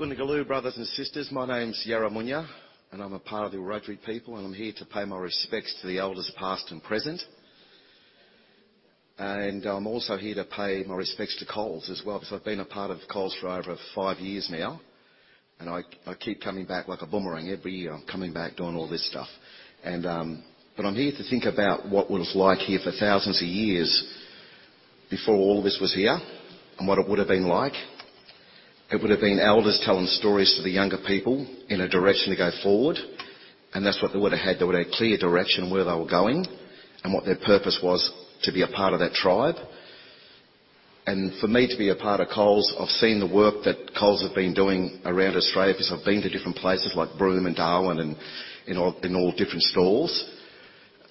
Good day, brothers and sisters. My name's Yarra Munya, and I'm a part of the Wiradjuri people, and I'm here to pay my respects to the elders, past and present. I'm also here to pay my respects to Coles as well, 'cause I've been a part of Coles for over five years now, and I keep coming back like a boomerang. Every year, I'm coming back, doing all this stuff. I'm here to think about what it was like here for thousands of years before all this was here, and what it would've been like. It would've been elders telling stories to the younger people in a direction to go forward, and that's what they would've had. They would've clear direction where they were going and what their purpose was to be a part of that tribe. For me to be a part of Coles, I've seen the work that Coles have been doing around Australia, 'cause I've been to different places like Broome and Darwin and in all different stores.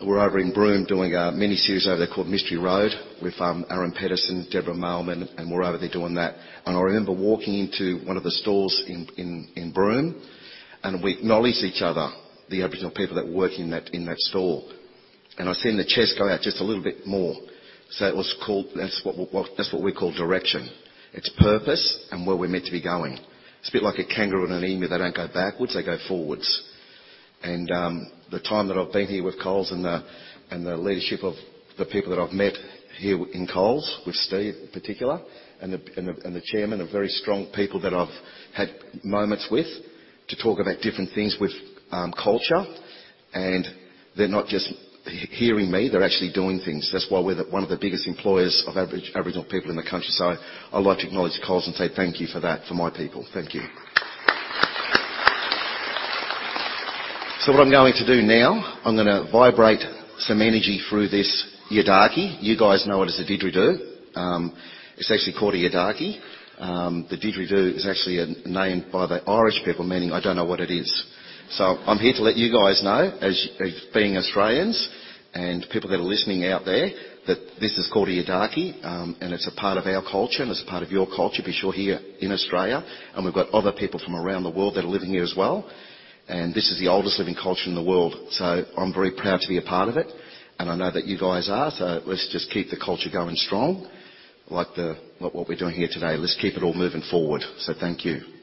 We're over in Broome doing a mini-series over there called Mystery Road with Aaron Pedersen, Deborah Mailman, and we're over there doing that. I remember walking into one of the stores in Broome, and we acknowledged each other, the Aboriginal people that work in that store. I seen their chest go out just a little bit more. It was called. That's what we call direction. It's purpose and where we're meant to be going. It's a bit like a kangaroo and an emu. They don't go backwards, they go forwards. The time that I've been here with Coles and the leadership of the people that I've met here in Coles, with Steve in particular and the chairman are very strong people that I've had moments with to talk about different things with, culture. They're not just hearing me, they're actually doing things. That's why we're one of the biggest employers of Aboriginal people in the country. I'd like to acknowledge Coles and say thank you for that, for my people. Thank you. What I'm going to do now, I'm gonna vibrate some energy through this yidaki. You guys know it as a didgeridoo. It's actually called a yidaki. The didgeridoo is actually a name by the Irish people, meaning I don't know what it is. I'm here to let you guys know as being Australians and people that are listening out there, that this is called a yidaki, and it's a part of our culture, and it's a part of your culture because you're here in Australia. We've got other people from around the world that are living here as well. This is the oldest living culture in the world. I'm very proud to be a part of it, and I know that you guys are, so let's just keep the culture going strong like what we're doing here today. Let's keep it all moving forward. Thank you. Thank you.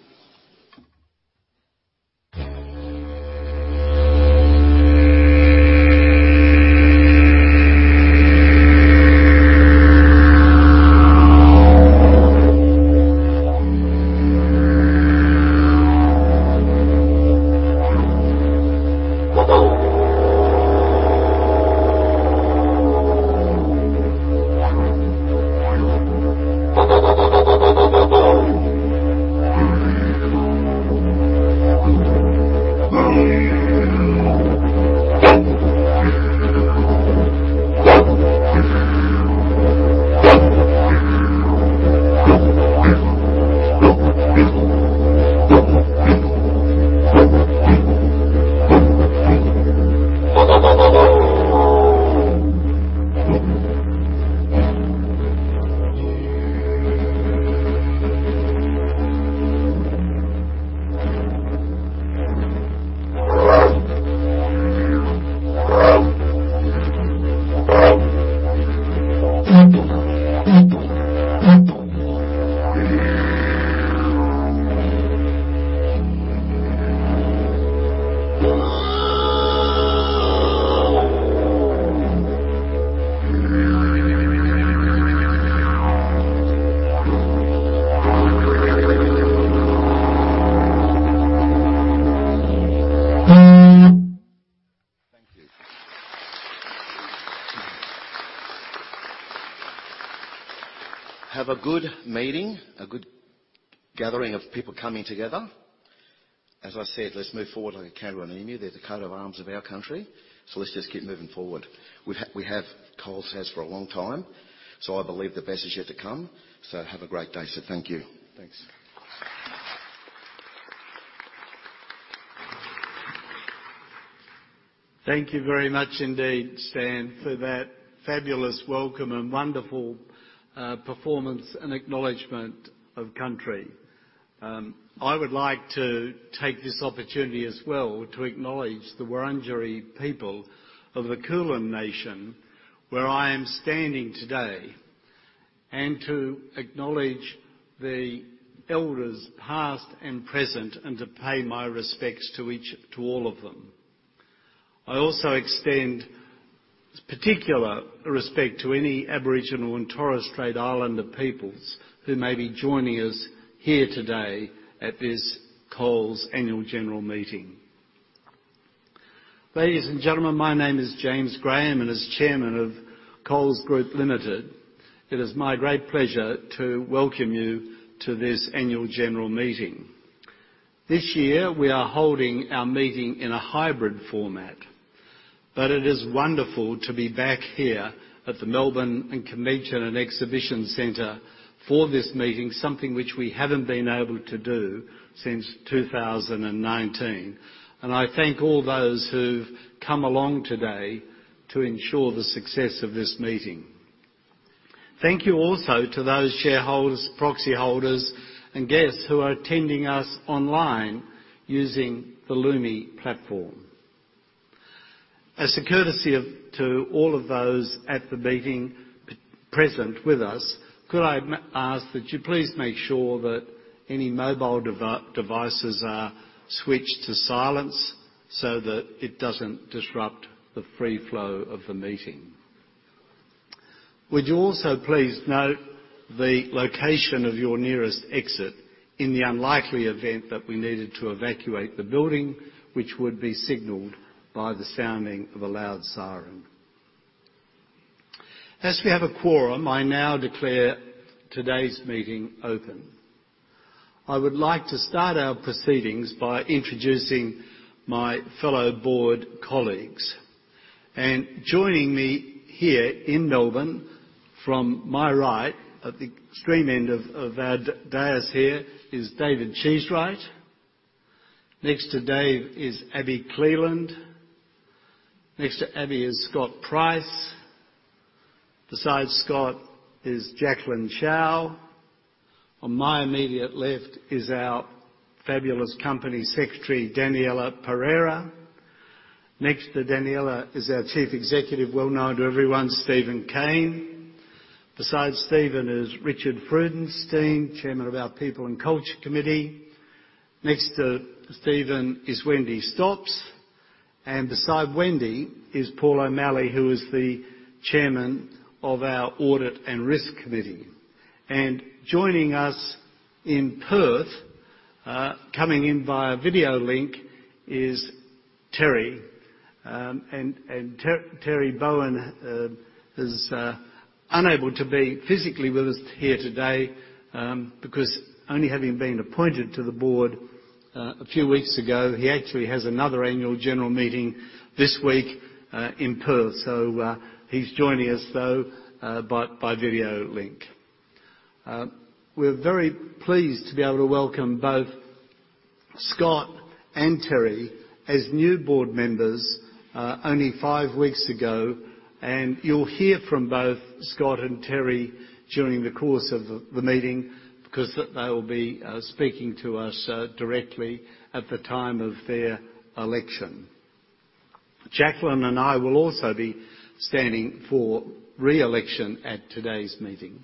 Have a good meeting, a good gathering of people coming together. As I said, let's move forward like a kangaroo and emu. They're the coat of arms of our country, so let's just keep moving forward. We have, Coles has for a long time, so I believe the best is yet to come. Have a great day. Thank you. Thanks. Thank you very much indeed, Stan, for that fabulous welcome and wonderful performance and acknowledgment of country. I would like to take this opportunity as well to acknowledge the Wurundjeri people of the Kulin nation, where I am standing today, and to acknowledge the elders, past and present, and to pay my respects to all of them. I also extend particular respect to any Aboriginal and Torres Strait Islander peoples who may be joining us here today at this Coles Annual General Meeting. Ladies and gentlemen, my name is James Graham, and as Chairman of Coles Group Limited, it is my great pleasure to welcome you to this annual general meeting. This year, we are holding our meeting in a hybrid format, but it is wonderful to be back here at the Melbourne Convention and Exhibition Center for this meeting, something which we haven't been able to do since 2019. I thank all those who've come along today to ensure the success of this meeting. Thank you also to those shareholders, proxy holders and guests who are attending us online using the Lumi platform. As a courtesy to all of those at the meeting present with us, could I ask that you please make sure that any mobile devices are switched to silence so that it doesn't disrupt the free flow of the meeting. Would you also please note the location of your nearest exit in the unlikely event that we needed to evacuate the building, which would be signaled by the sounding of a loud siren. As we have a quorum, I now declare today's meeting open. I would like to start our proceedings by introducing my fellow board colleagues. Joining me here in Melbourne from my right, at the extreme end of our dais here, is David Cheesewright. Next to Dave is Abi Cleland. Next to Abi is Scott Price. Besides Scott is Jacqueline Chow. On my immediate left is our fabulous Company Secretary, Daniella Pereira. Next to Daniella is our Chief Executive, well-known to everyone, Steven Cain. Besides Steven is Richard Freudenstein, Chairman of our People and Culture Committee. Next to Steven is Wendy Stops, and beside Wendy is Paul O'Malley, who is the Chairman of our Audit and Risk Committee. Joining us in Perth, coming in via video link is Terry Bowen. Terry Bowen is unable to be physically with us here today, because only having been appointed to the board a few weeks ago, he actually has another annual general meeting this week in Perth. He's joining us though by video link. We're very pleased to be able to welcome both Scott and Terry as new board members only five weeks ago. You'll hear from both Scott and Terry during the course of the meeting because they'll be speaking to us directly at the time of their election. Jacqueline and I will also be standing for re-election at today's meeting.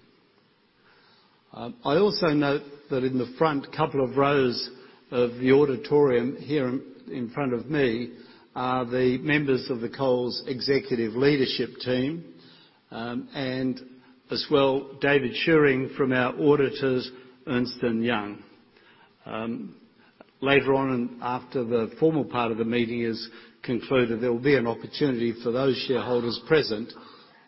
I also note that in the front couple of rows of the auditorium here in front of me are the members of the Coles Executive Leadership team, and as well, David Shewring from our auditors, Ernst & Young. Later on, and after the formal part of the meeting is concluded, there will be an opportunity for those shareholders present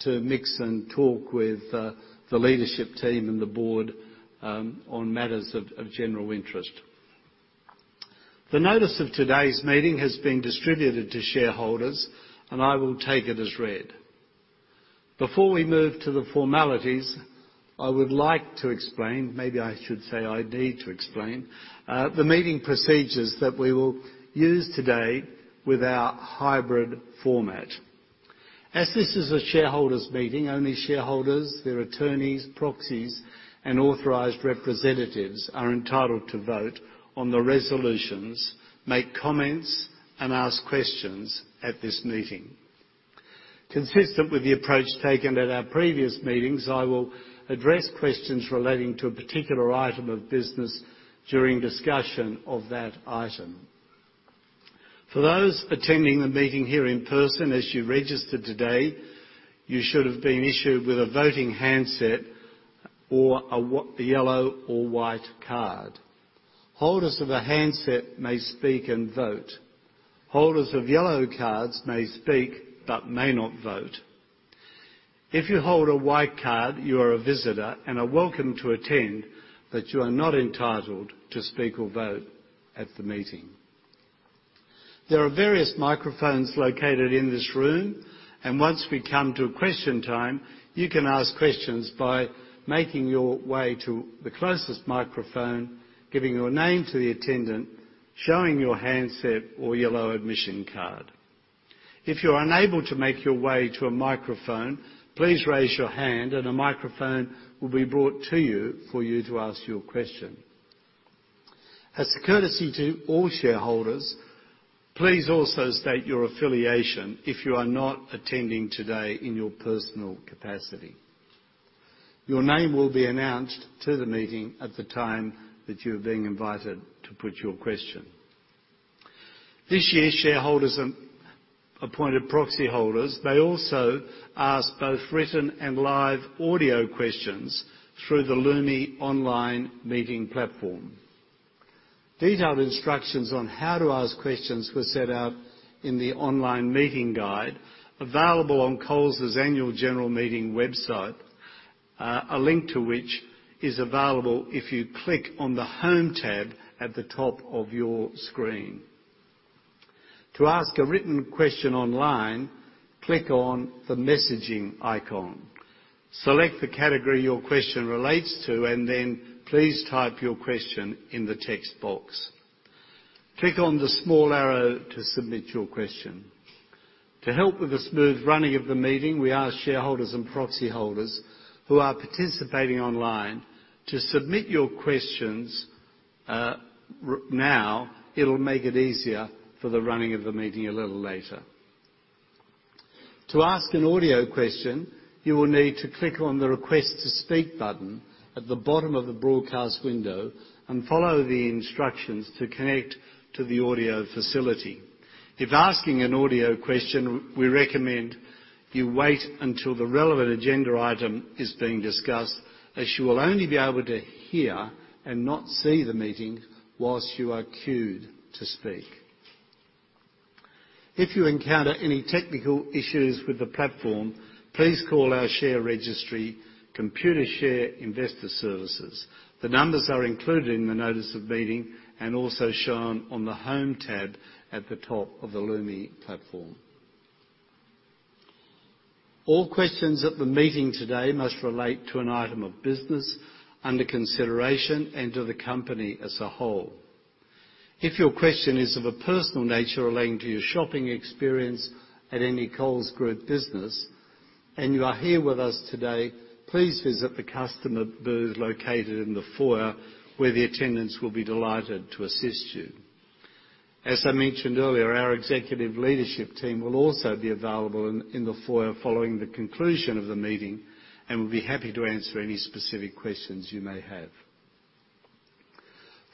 to mix and talk with the leadership team and the board on matters of general interest. The notice of today's meeting has been distributed to shareholders, and I will take it as read. Before we move to the formalities, I would like to explain, maybe I should say I need to explain, the meeting procedures that we will use today with our hybrid format. As this is a shareholders' meeting, only shareholders, their attorneys, proxies, and authorized representatives are entitled to vote on the resolutions, make comments, and ask questions at this meeting. Consistent with the approach taken at our previous meetings, I will address questions relating to a particular item of business during discussion of that item. For those attending the meeting here in person, as you registered today, you should have been issued with a voting handset or a yellow or white card. Holders of a handset may speak and vote. Holders of yellow cards may speak but may not vote. If you hold a white card, you are a visitor and are welcome to attend, but you are not entitled to speak or vote at the meeting. There are various microphones located in this room, and once we come to question time, you can ask questions by making your way to the closest microphone, giving your name to the attendant, showing your handset or yellow admission card. If you're unable to make your way to a microphone, please raise your hand and a microphone will be brought to you for you to ask your question. As a courtesy to all shareholders, please also state your affiliation if you are not attending today in your personal capacity. Your name will be announced to the meeting at the time that you're being invited to put your question. This year, shareholders and appointed proxy holders, they also ask both written and live audio questions through the Lumi online meeting platform. Detailed instructions on how to ask questions were set out in the online meeting guide available on Coles' annual general meeting website, a link to which is available if you click on the Home tab at the top of your screen. To ask a written question online, click on the messaging icon. Select the category your question relates to, and then please type your question in the text box. Click on the small arrow to submit your question. To help with the smooth running of the meeting, we ask shareholders and proxy holders who are participating online to submit your questions now. It'll make it easier for the running of the meeting a little later. To ask an audio question, you will need to click on the Request to speak button at the bottom of the broadcast window and follow the instructions to connect to the audio facility. If asking an audio question, we recommend you wait until the relevant agenda item is being discussed, as you will only be able to hear and not see the meeting while you are queued to speak. If you encounter any technical issues with the platform, please call our share registry, Computershare Investor Services. The numbers are included in the notice of meeting and also shown on the Home tab at the top of the Lumi platform. All questions at the meeting today must relate to an item of business under consideration and to the company as a whole. If your question is of a personal nature relating to your shopping experience at any Coles Group business, and you are here with us today, please visit the customer booth located in the foyer, where the attendants will be delighted to assist you. As I mentioned earlier, our executive leadership team will also be available in the foyer following the conclusion of the meeting and will be happy to answer any specific questions you may have.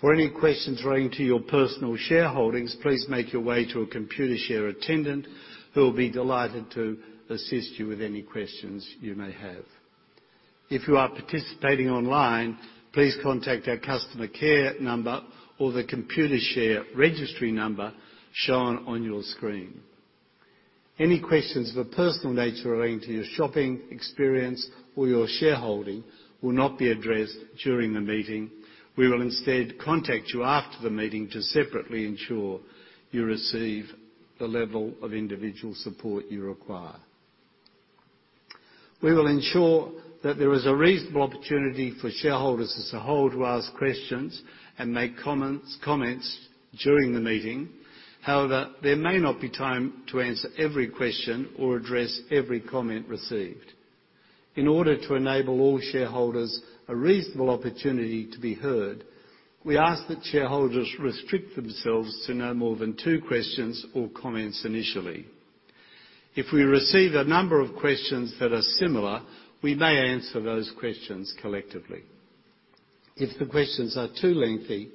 For any questions relating to your personal shareholdings, please make your way to a Computershare attendant, who will be delighted to assist you with any questions you may have. If you are participating online, please contact our customer care number or the Computershare registry number shown on your screen. Any questions of a personal nature relating to your shopping experience or your shareholding will not be addressed during the meeting. We will instead contact you after the meeting to separately ensure you receive the level of individual support you require. We will ensure that there is a reasonable opportunity for shareholders as a whole to ask questions and make comments during the meeting. However, there may not be time to answer every question or address every comment received. In order to enable all shareholders a reasonable opportunity to be heard, we ask that shareholders restrict themselves to no more than two questions or comments initially. If we receive a number of questions that are similar, we may answer those questions collectively. If the questions are too lengthy,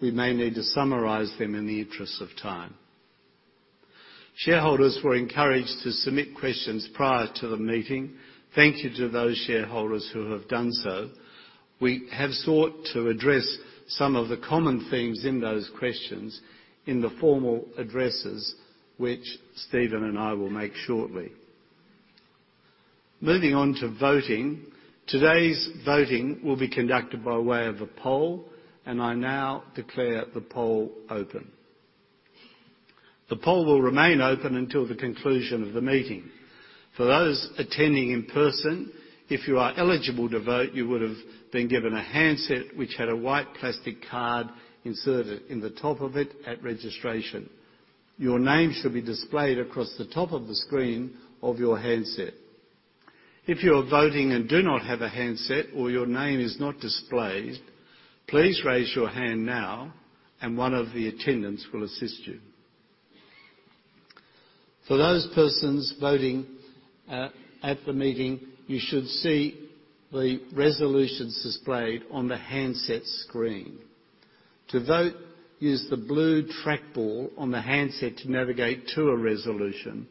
we may need to summarize them in the interest of time. Shareholders were encouraged to submit questions prior to the meeting. Thank you to those shareholders who have done so. We have sought to address some of the common themes in those questions in the formal addresses which Steven and I will make shortly. Moving on to voting. Today's voting will be conducted by way of a poll, and I now declare the poll open. The poll will remain open until the conclusion of the meeting. For those attending in person, if you are eligible to vote, you would have been given a handset which had a white plastic card inserted in the top of it at registration. Your name should be displayed across the top of the screen of your handset. If you are voting and do not have a handset or your name is not displayed, please raise your hand now and one of the attendants will assist you. For those persons voting at the meeting, you should see the resolutions displayed on the handset screen. To vote, use the blue trackball on the handset to navigate to a resolution.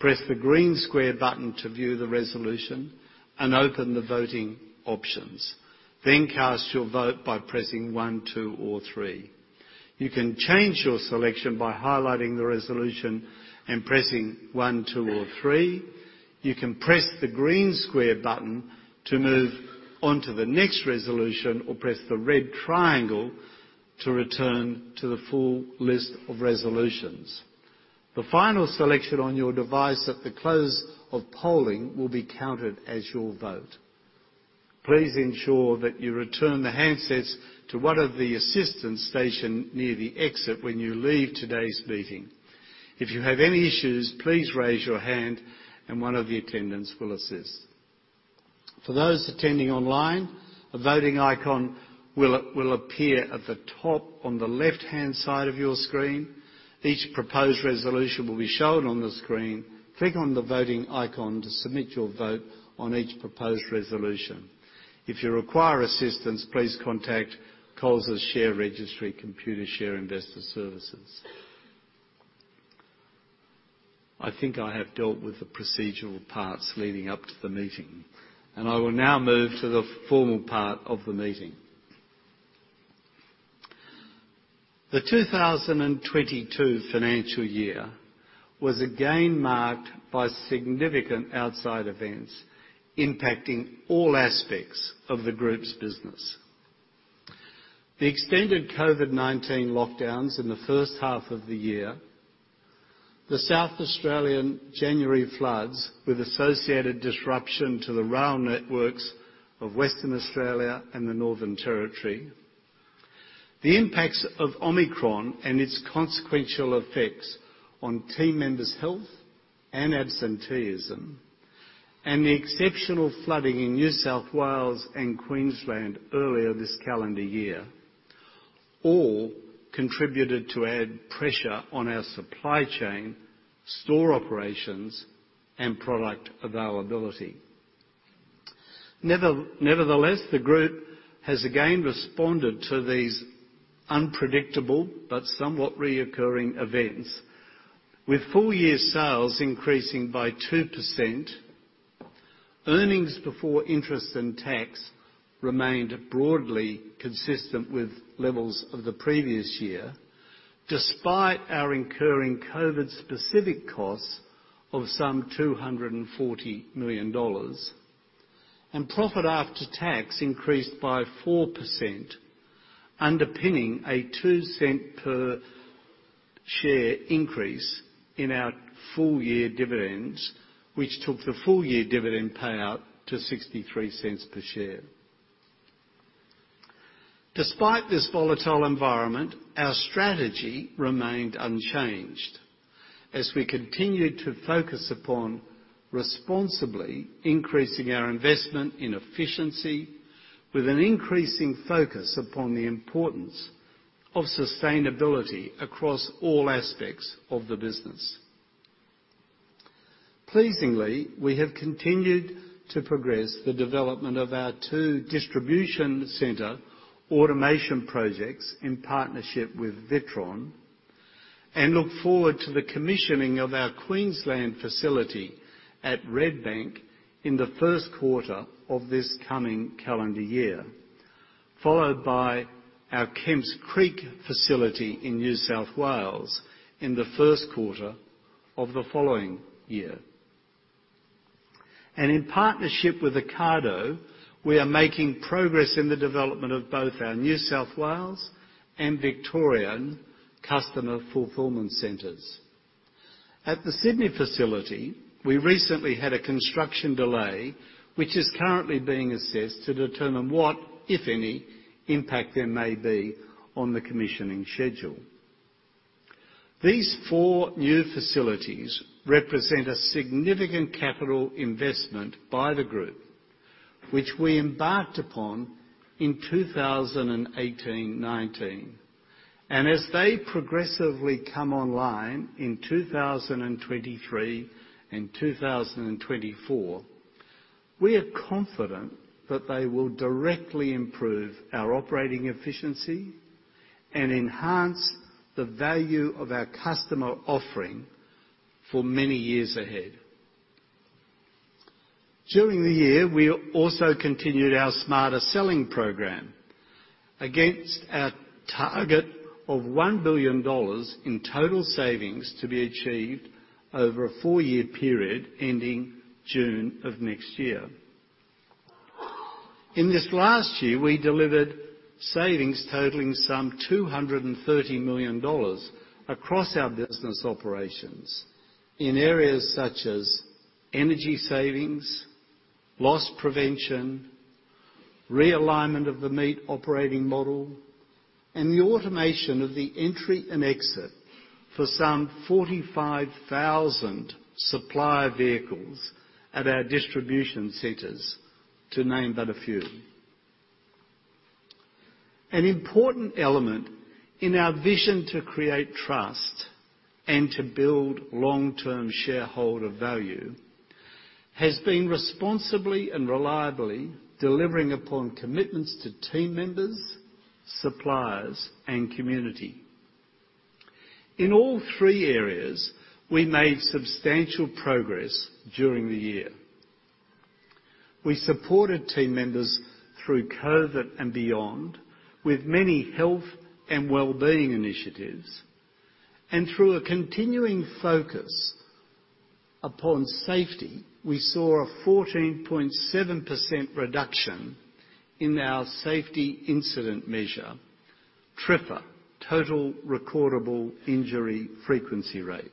Press the green square button to view the resolution and open the voting options. Then cast your vote by pressing one, two, or three. You can change your selection by highlighting the resolution and pressing one, two, or three. You can press the green square button to move on to the next resolution or press the red triangle to return to the full list of resolutions. The final selection on your device at the close of polling will be counted as your vote. Please ensure that you return the handsets to one of the assistants stationed near the exit when you leave today's meeting. If you have any issues, please raise your hand and one of the attendants will assist. For those attending online, a voting icon will appear at the top on the left-hand side of your screen. Each proposed resolution will be shown on the screen. Click on the voting icon to submit your vote on each proposed resolution. If you require assistance, please contact Coles' share registry, Computershare Investor Services. I think I have dealt with the procedural parts leading up to the meeting, and I will now move to the formal part of the meeting. The 2022 financial year was again marked by significant outside events impacting all aspects of the group's business. The extended COVID-19 lockdowns in the first half of the year, the South Australian January floods with associated disruption to the rail networks of Western Australia and the Northern Territory, the impacts of Omicron and its consequential effects on team members' health and absenteeism, and the exceptional flooding in New South Wales and Queensland earlier this calendar year all contributed to add pressure on our supply chain, store operations, and product availability. Nevertheless, the group has again responded to these unpredictable but somewhat recurring events with full-year sales increasing by 2%, earnings before interest and tax remained broadly consistent with levels of the previous year, despite our incurring COVID-19-specific costs of some 240 million dollars. Profit after tax increased by 4%, underpinning a 0.02 per share increase in our full-year dividends, which took the full-year dividend payout to 0.63 per share. Despite this volatile environment, our strategy remained unchanged, as we continued to focus upon responsibly increasing our investment in efficiency with an increasing focus upon the importance of sustainability across all aspects of the business. Pleasingly, we have continued to progress the development of our 2 distribution center automation projects in partnership with Witron and look forward to the commissioning of our Queensland facility at Redbank in the first quarter of this coming calendar year, followed by our Kemps Creek facility in New South Wales in the first quarter of the following year. In partnership with Ocado, we are making progress in the development of both our New South Wales and Victorian customer fulfillment centers. At the Sydney facility, we recently had a construction delay, which is currently being assessed to determine what, if any, impact there may be on the commissioning schedule. These four new facilities represent a significant capital investment by the group, which we embarked upon in 2018-19. As they progressively come online in 2023 and 2024, we are confident that they will directly improve our operating efficiency and enhance the value of our customer offering for many years ahead. During the year, we also continued our Smarter Selling program against our target of 1 billion dollars in total savings to be achieved over a four-year period, ending June of next year. In this last year, we delivered savings totaling some 230 million dollars across our business operations in areas such as energy savings, loss prevention, realignment of the meat operating model, and the automation of the entry and exit for some 45,000 supplier vehicles at our distribution centers, to name but a few. An important element in our vision to create trust and to build long-term shareholder value has been responsibly and reliably delivering upon commitments to team members, suppliers, and community. In all three areas, we made substantial progress during the year. We supported team members through COVID and beyond with many health and well-being initiatives, and through a continuing focus upon safety, we saw a 14.7% reduction in our safety incident measure, TRIFR, Total Recordable Injury Frequency Rate.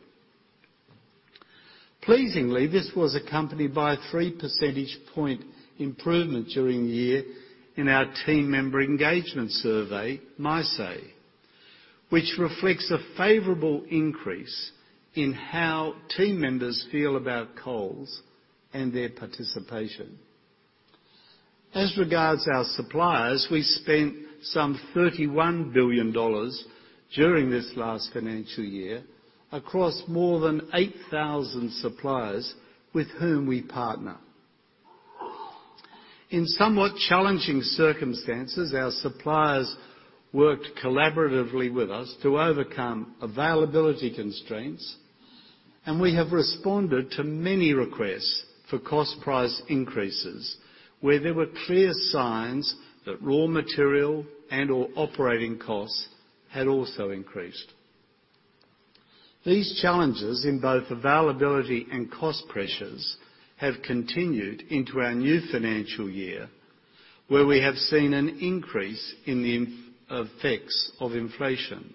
Pleasingly, this was accompanied by a 3 percentage point improvement during the year in our team member engagement survey, My Say, which reflects a favorable increase in how team members feel about Coles and their participation. As regards our suppliers, we spent some 31 billion dollars during this last financial year across more than 8,000 suppliers with whom we partner. In somewhat challenging circumstances, our suppliers worked collaboratively with us to overcome availability constraints, and we have responded to many requests for cost price increases where there were clear signs that raw material and/or operating costs had also increased. These challenges in both availability and cost pressures have continued into our new financial year, where we have seen an increase in the effects of inflation.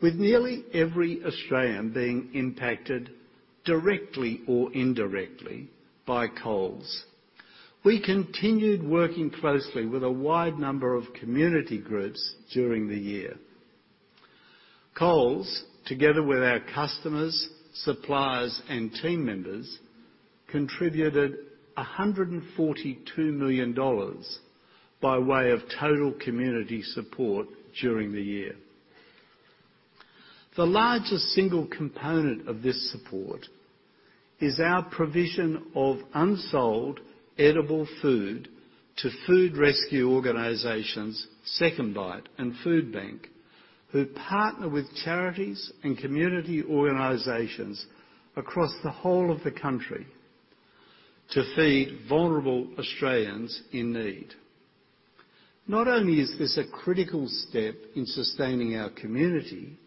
With nearly every Australian being impacted directly or indirectly by Coles. We continued working closely with a wide number of community groups during the year. Coles, together with our customers, suppliers, and team members, contributed 142 million dollars by way of total community support during the year. The largest single component of this support is our provision of unsold edible food to food rescue organizations, SecondBite and Foodbank, who partner with charities and community organizations across the whole of the country to feed vulnerable Australians in need. Not only is this a critical step in sustaining our community,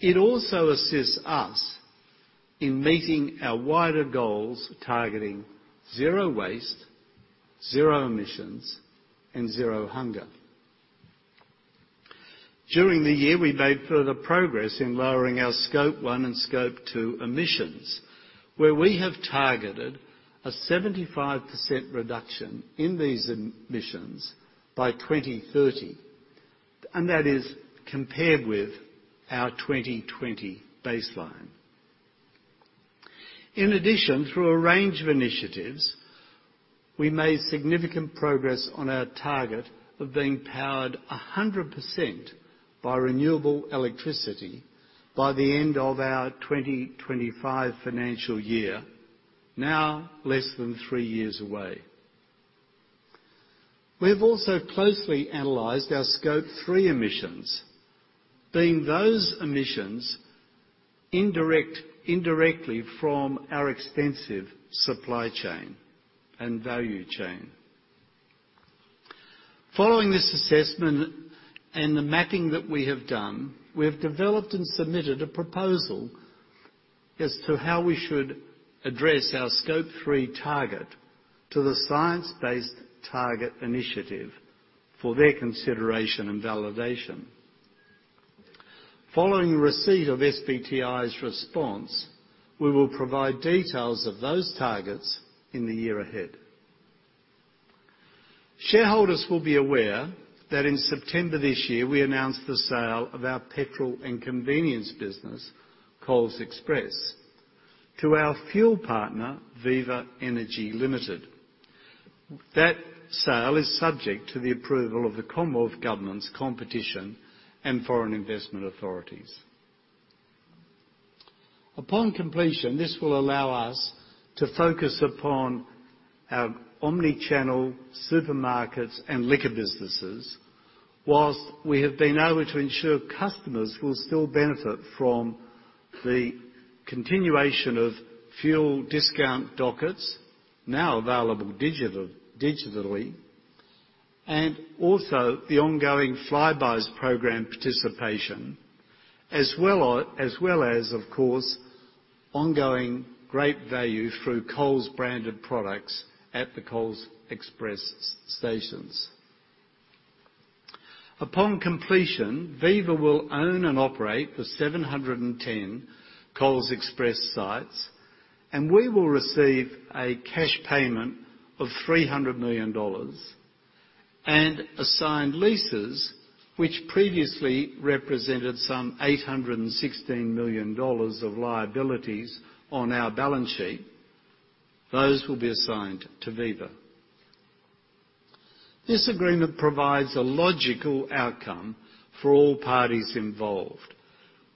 it also assists us in meeting our wider goals targeting zero waste, zero emissions, and zero hunger. During the year, we made further progress in lowering our Scope 1 and Scope 2 emissions, where we have targeted a 75% reduction in these emissions by 2030, and that is compared with our 2020 baseline. In addition, through a range of initiatives, we made significant progress on our target of being powered 100% by renewable electricity by the end of our 2025 financial year, now less than three years away. We've also closely analyzed our Scope 3 emissions, being those emissions indirectly from our extensive supply chain and value chain. Following this assessment and the mapping that we have done, we have developed and submitted a proposal as to how we should address our Scope 3 target to the Science-Based Targets initiative for their consideration and validation. Following receipt of SBTi's response, we will provide details of those targets in the year ahead. Shareholders will be aware that in September this year, we announced the sale of our petrol and convenience business, Coles Express, to our fuel partner, Viva Energy Limited. That sale is subject to the approval of the Commonwealth Government's Competition and Foreign Investment Authorities. Upon completion, this will allow us to focus upon our omni-channel supermarkets and liquor businesses, while we have been able to ensure customers will still benefit from the continuation of fuel discount dockets, now available digitally, and also the ongoing Flybuys program participation, as well as, of course, ongoing great value through Coles branded products at the Coles Express stations. Upon completion, Viva will own and operate the 710 Coles Express sites, and we will receive a cash payment of 300 million dollars and assigned leases which previously represented some 816 million dollars of liabilities on our balance sheet. Those will be assigned to Viva. This agreement provides a logical outcome for all parties involved,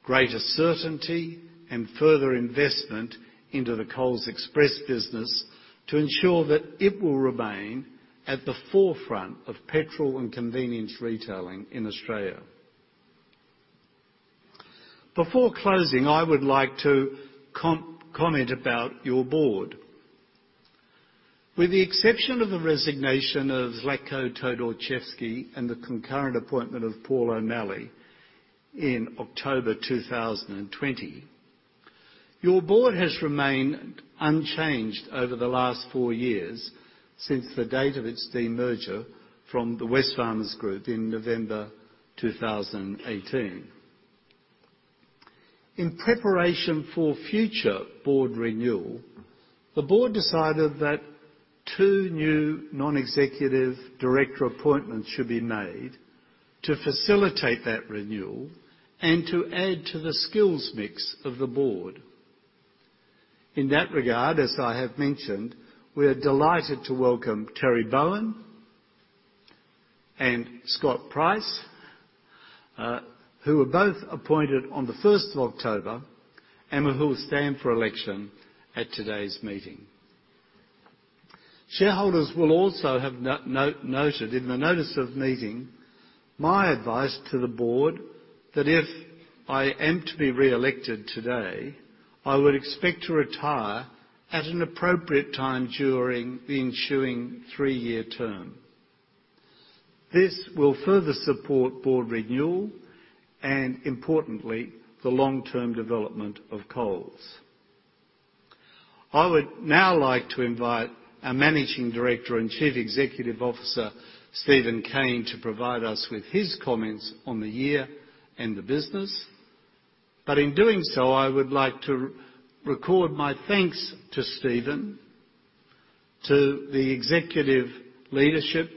greater certainty and further investment into the Coles Express business to ensure that it will remain at the forefront of petrol and convenience retailing in Australia. Before closing, I would like to comment about your board. With the exception of the resignation of Zlatko Todorcevski and the concurrent appointment of Paul O'Malley in October 2020, your board has remained unchanged over the last four years since the date of its demerger from the Wesfarmers group in November 2018. In preparation for future board renewal, the board decided that two new non-executive director appointments should be made to facilitate that renewal and to add to the skills mix of the board. In that regard, as I have mentioned, we are delighted to welcome Terry Bowen and Scott Price, who were both appointed on the first of October and who stand for election at today's meeting. Shareholders will also have noted in the notice of meeting my advice to the board that if I am to be reelected today, I would expect to retire at an appropriate time during the ensuing three-year term. This will further support board renewal and, importantly, the long-term development of Coles. I would now like to invite our Managing Director and Chief Executive Officer, Steven Cain, to provide us with his comments on the year and the business. In doing so, I would like to record my thanks to Steven, to the executive leadership,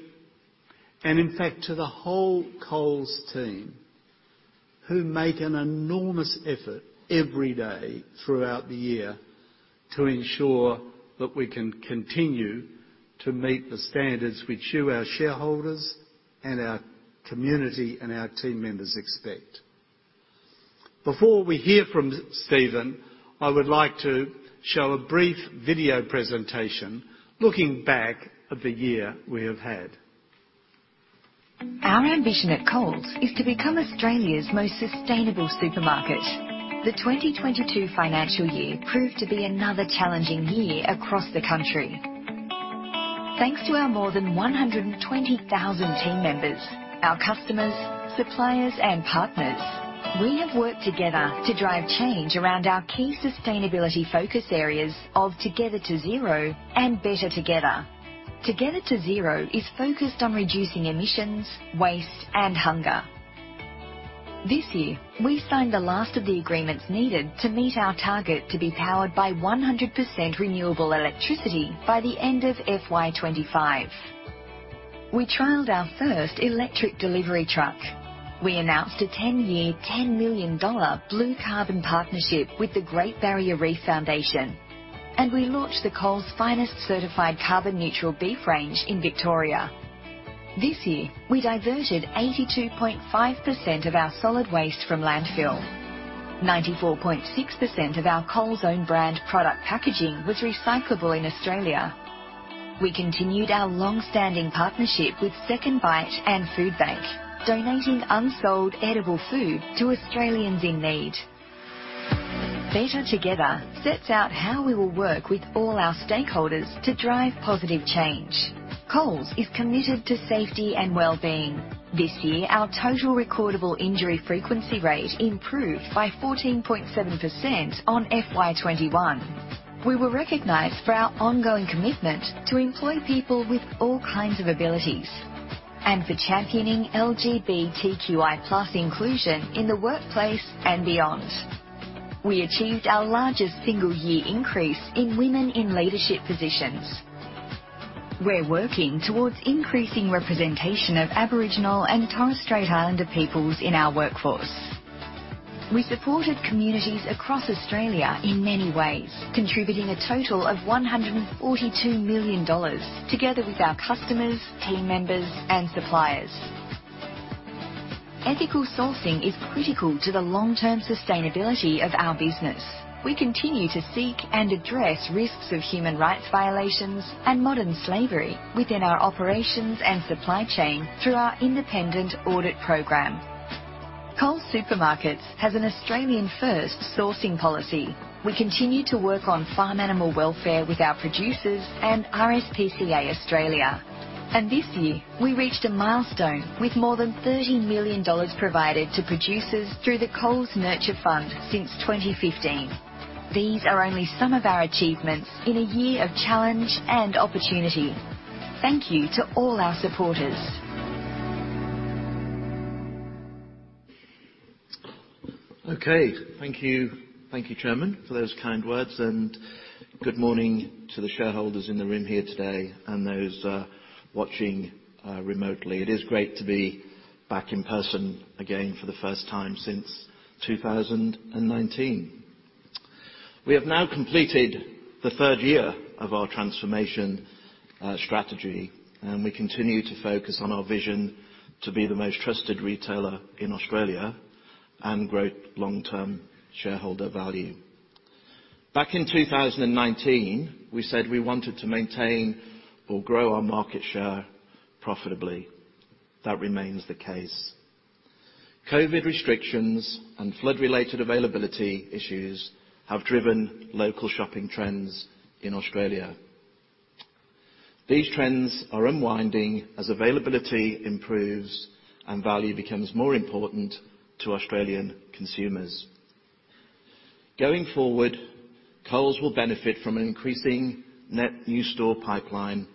and in fact, to the whole Coles team, who make an enormous effort every day throughout the year to ensure that we can continue to meet the standards which you, our shareholders and our community, and our team members expect. Before we hear from Steven, I would like to show a brief video presentation looking back at the year we have had. Our ambition at Coles is to become Australia's most sustainable supermarket. The 2022 financial year proved to be another challenging year across the country. Thanks to our more than 120,000 team members, our customers, suppliers, and partners, we have worked together to drive change around our key sustainability focus areas of Together to Zero and Better Together. Together to Zero is focused on reducing emissions, waste, and hunger. This year, we signed the last of the agreements needed to meet our target to be powered by 100% renewable electricity by the end of FY25. We trialed our first electric delivery truck. We announced a 10-year, AUD 10 million blue carbon partnership with the Great Barrier Reef Foundation, and we launched the Coles Finest Certified carbon-neutral beef range in Victoria. This year, we diverted 82.5% of our solid waste from landfill. 94.6% of our Coles own brand product packaging was recyclable in Australia. We continued our long-standing partnership with SecondBite and Foodbank, donating unsold edible food to Australians in need. Better Together sets out how we will work with all our stakeholders to drive positive change. Coles is committed to safety and wellbeing. This year, our Total Recordable Injury Frequency Rate improved by 14.7% on FY21. We were recognized for our ongoing commitment to employ people with all kinds of abilities, and for championing LGBTQI+ inclusion in the workplace and beyond. We achieved our largest single year increase in women in leadership positions. We're working towards increasing representation of Aboriginal and Torres Strait Islander peoples in our workforce. We supported communities across Australia in many ways, contributing a total of 142 million dollars together with our customers, team members, and suppliers. Ethical sourcing is critical to the long-term sustainability of our business. We continue to seek and address risks of human rights violations and modern slavery within our operations and supply chain through our independent audit program. Coles Supermarkets has an Australian first sourcing policy. We continue to work on farm animal welfare with our producers and RSPCA Australia. This year, we reached a milestone with more than 30 million dollars provided to producers through the Coles Nurture Fund since 2015. These are only some of our achievements in a year of challenge and opportunity. Thank you to all our supporters. Okay. Thank you. Thank you, Chairman, for those kind words and good morning to the shareholders in the room here today and those watching remotely. It is great to be back in person again for the first time since 2019. We have now completed the third year of our transformation strategy, and we continue to focus on our vision to be the most trusted retailer in Australia and grow long-term shareholder value. Back in 2019, we said we wanted to maintain or grow our market share profitably. That remains the case. COVID restrictions and flood-related availability issues have driven local shopping trends in Australia. These trends are unwinding as availability improves and value becomes more important to Australian consumers. Going forward, Coles will benefit from an increasing net new store pipeline,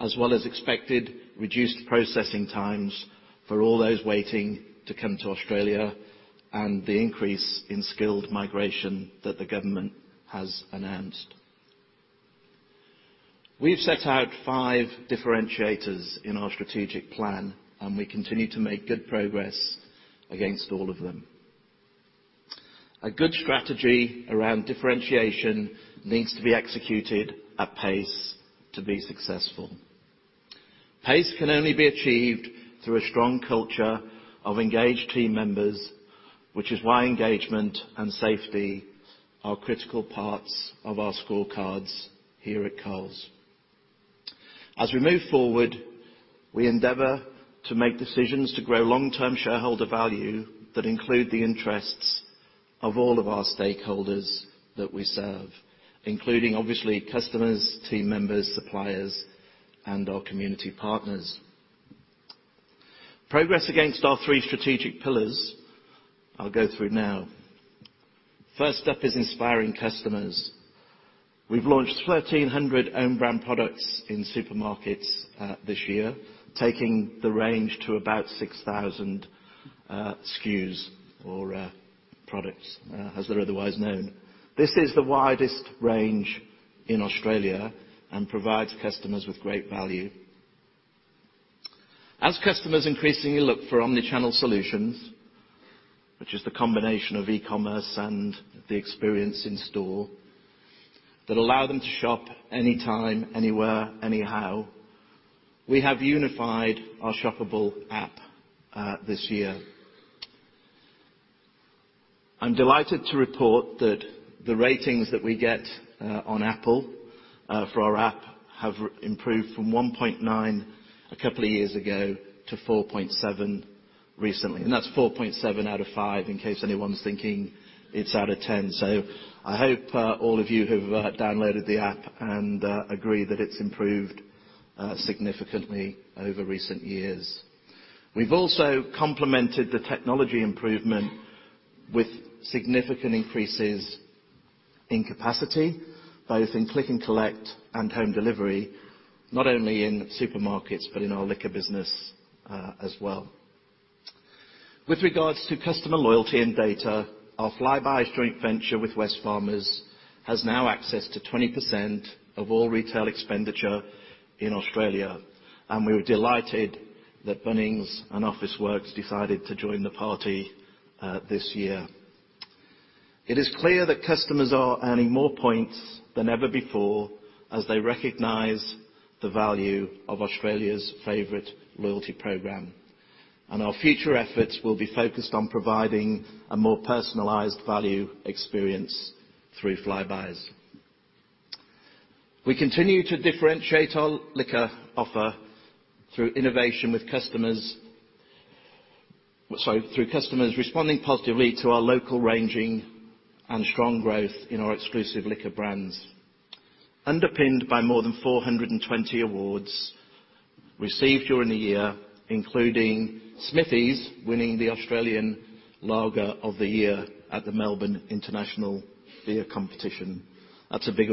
as well as expected reduced processing times for all those waiting to come to Australia and the increase in skilled migration that the government has announced. We've set out five differentiators in our strategic plan, and we continue to make good progress against all of them. A good strategy around differentiation needs to be executed at pace to be successful. Pace can only be achieved through a strong culture of engaged team members, which is why engagement and safety are critical parts of our scorecards here at Coles. As we move forward, we endeavor to make decisions to grow long-term shareholder value that include the interests of all of our stakeholders that we serve, including obviously, customers, team members, suppliers, and our community partners. Progress against our three strategic pillars I'll go through now. First up is inspiring customers. We've launched 1,300 own brand products in supermarkets this year, taking the range to about 6,000 SKUs or products as they're otherwise known. This is the widest range in Australia and provides customers with great value. As customers increasingly look for omni-channel solutions, which is the combination of e-commerce and the experience in store that allow them to shop any time, anywhere, anyhow, we have unified our shoppable app this year. I'm delighted to report that the ratings that we get on Apple for our app have improved from 1.9 a couple of years ago to 4.7 recently. That's 4.7 out of five in case anyone's thinking it's out of ten. I hope all of you have downloaded the app and agree that it's improved significantly over recent years. We've also complemented the technology improvement with significant increases in capacity, both in click and collect and home delivery, not only in supermarkets, but in our liquor business, as well. With regards to customer loyalty and data, our Flybuys joint venture with Wesfarmers has now access to 20% of all retail expenditure in Australia, and we were delighted that Bunnings and Officeworks decided to join the party, this year. It is clear that customers are earning more points than ever before as they recognize the value of Australia's favorite loyalty program, and our future efforts will be focused on providing a more personalized value experience through Flybuys. We continue to differentiate our liquor offer through customers responding positively to our local ranging and strong growth in our exclusive liquor brands. Underpinned by more than 420 awards received during the year, including Smithies winning the Australian Lager of the Year at the Melbourne International Beer Competition. That's a big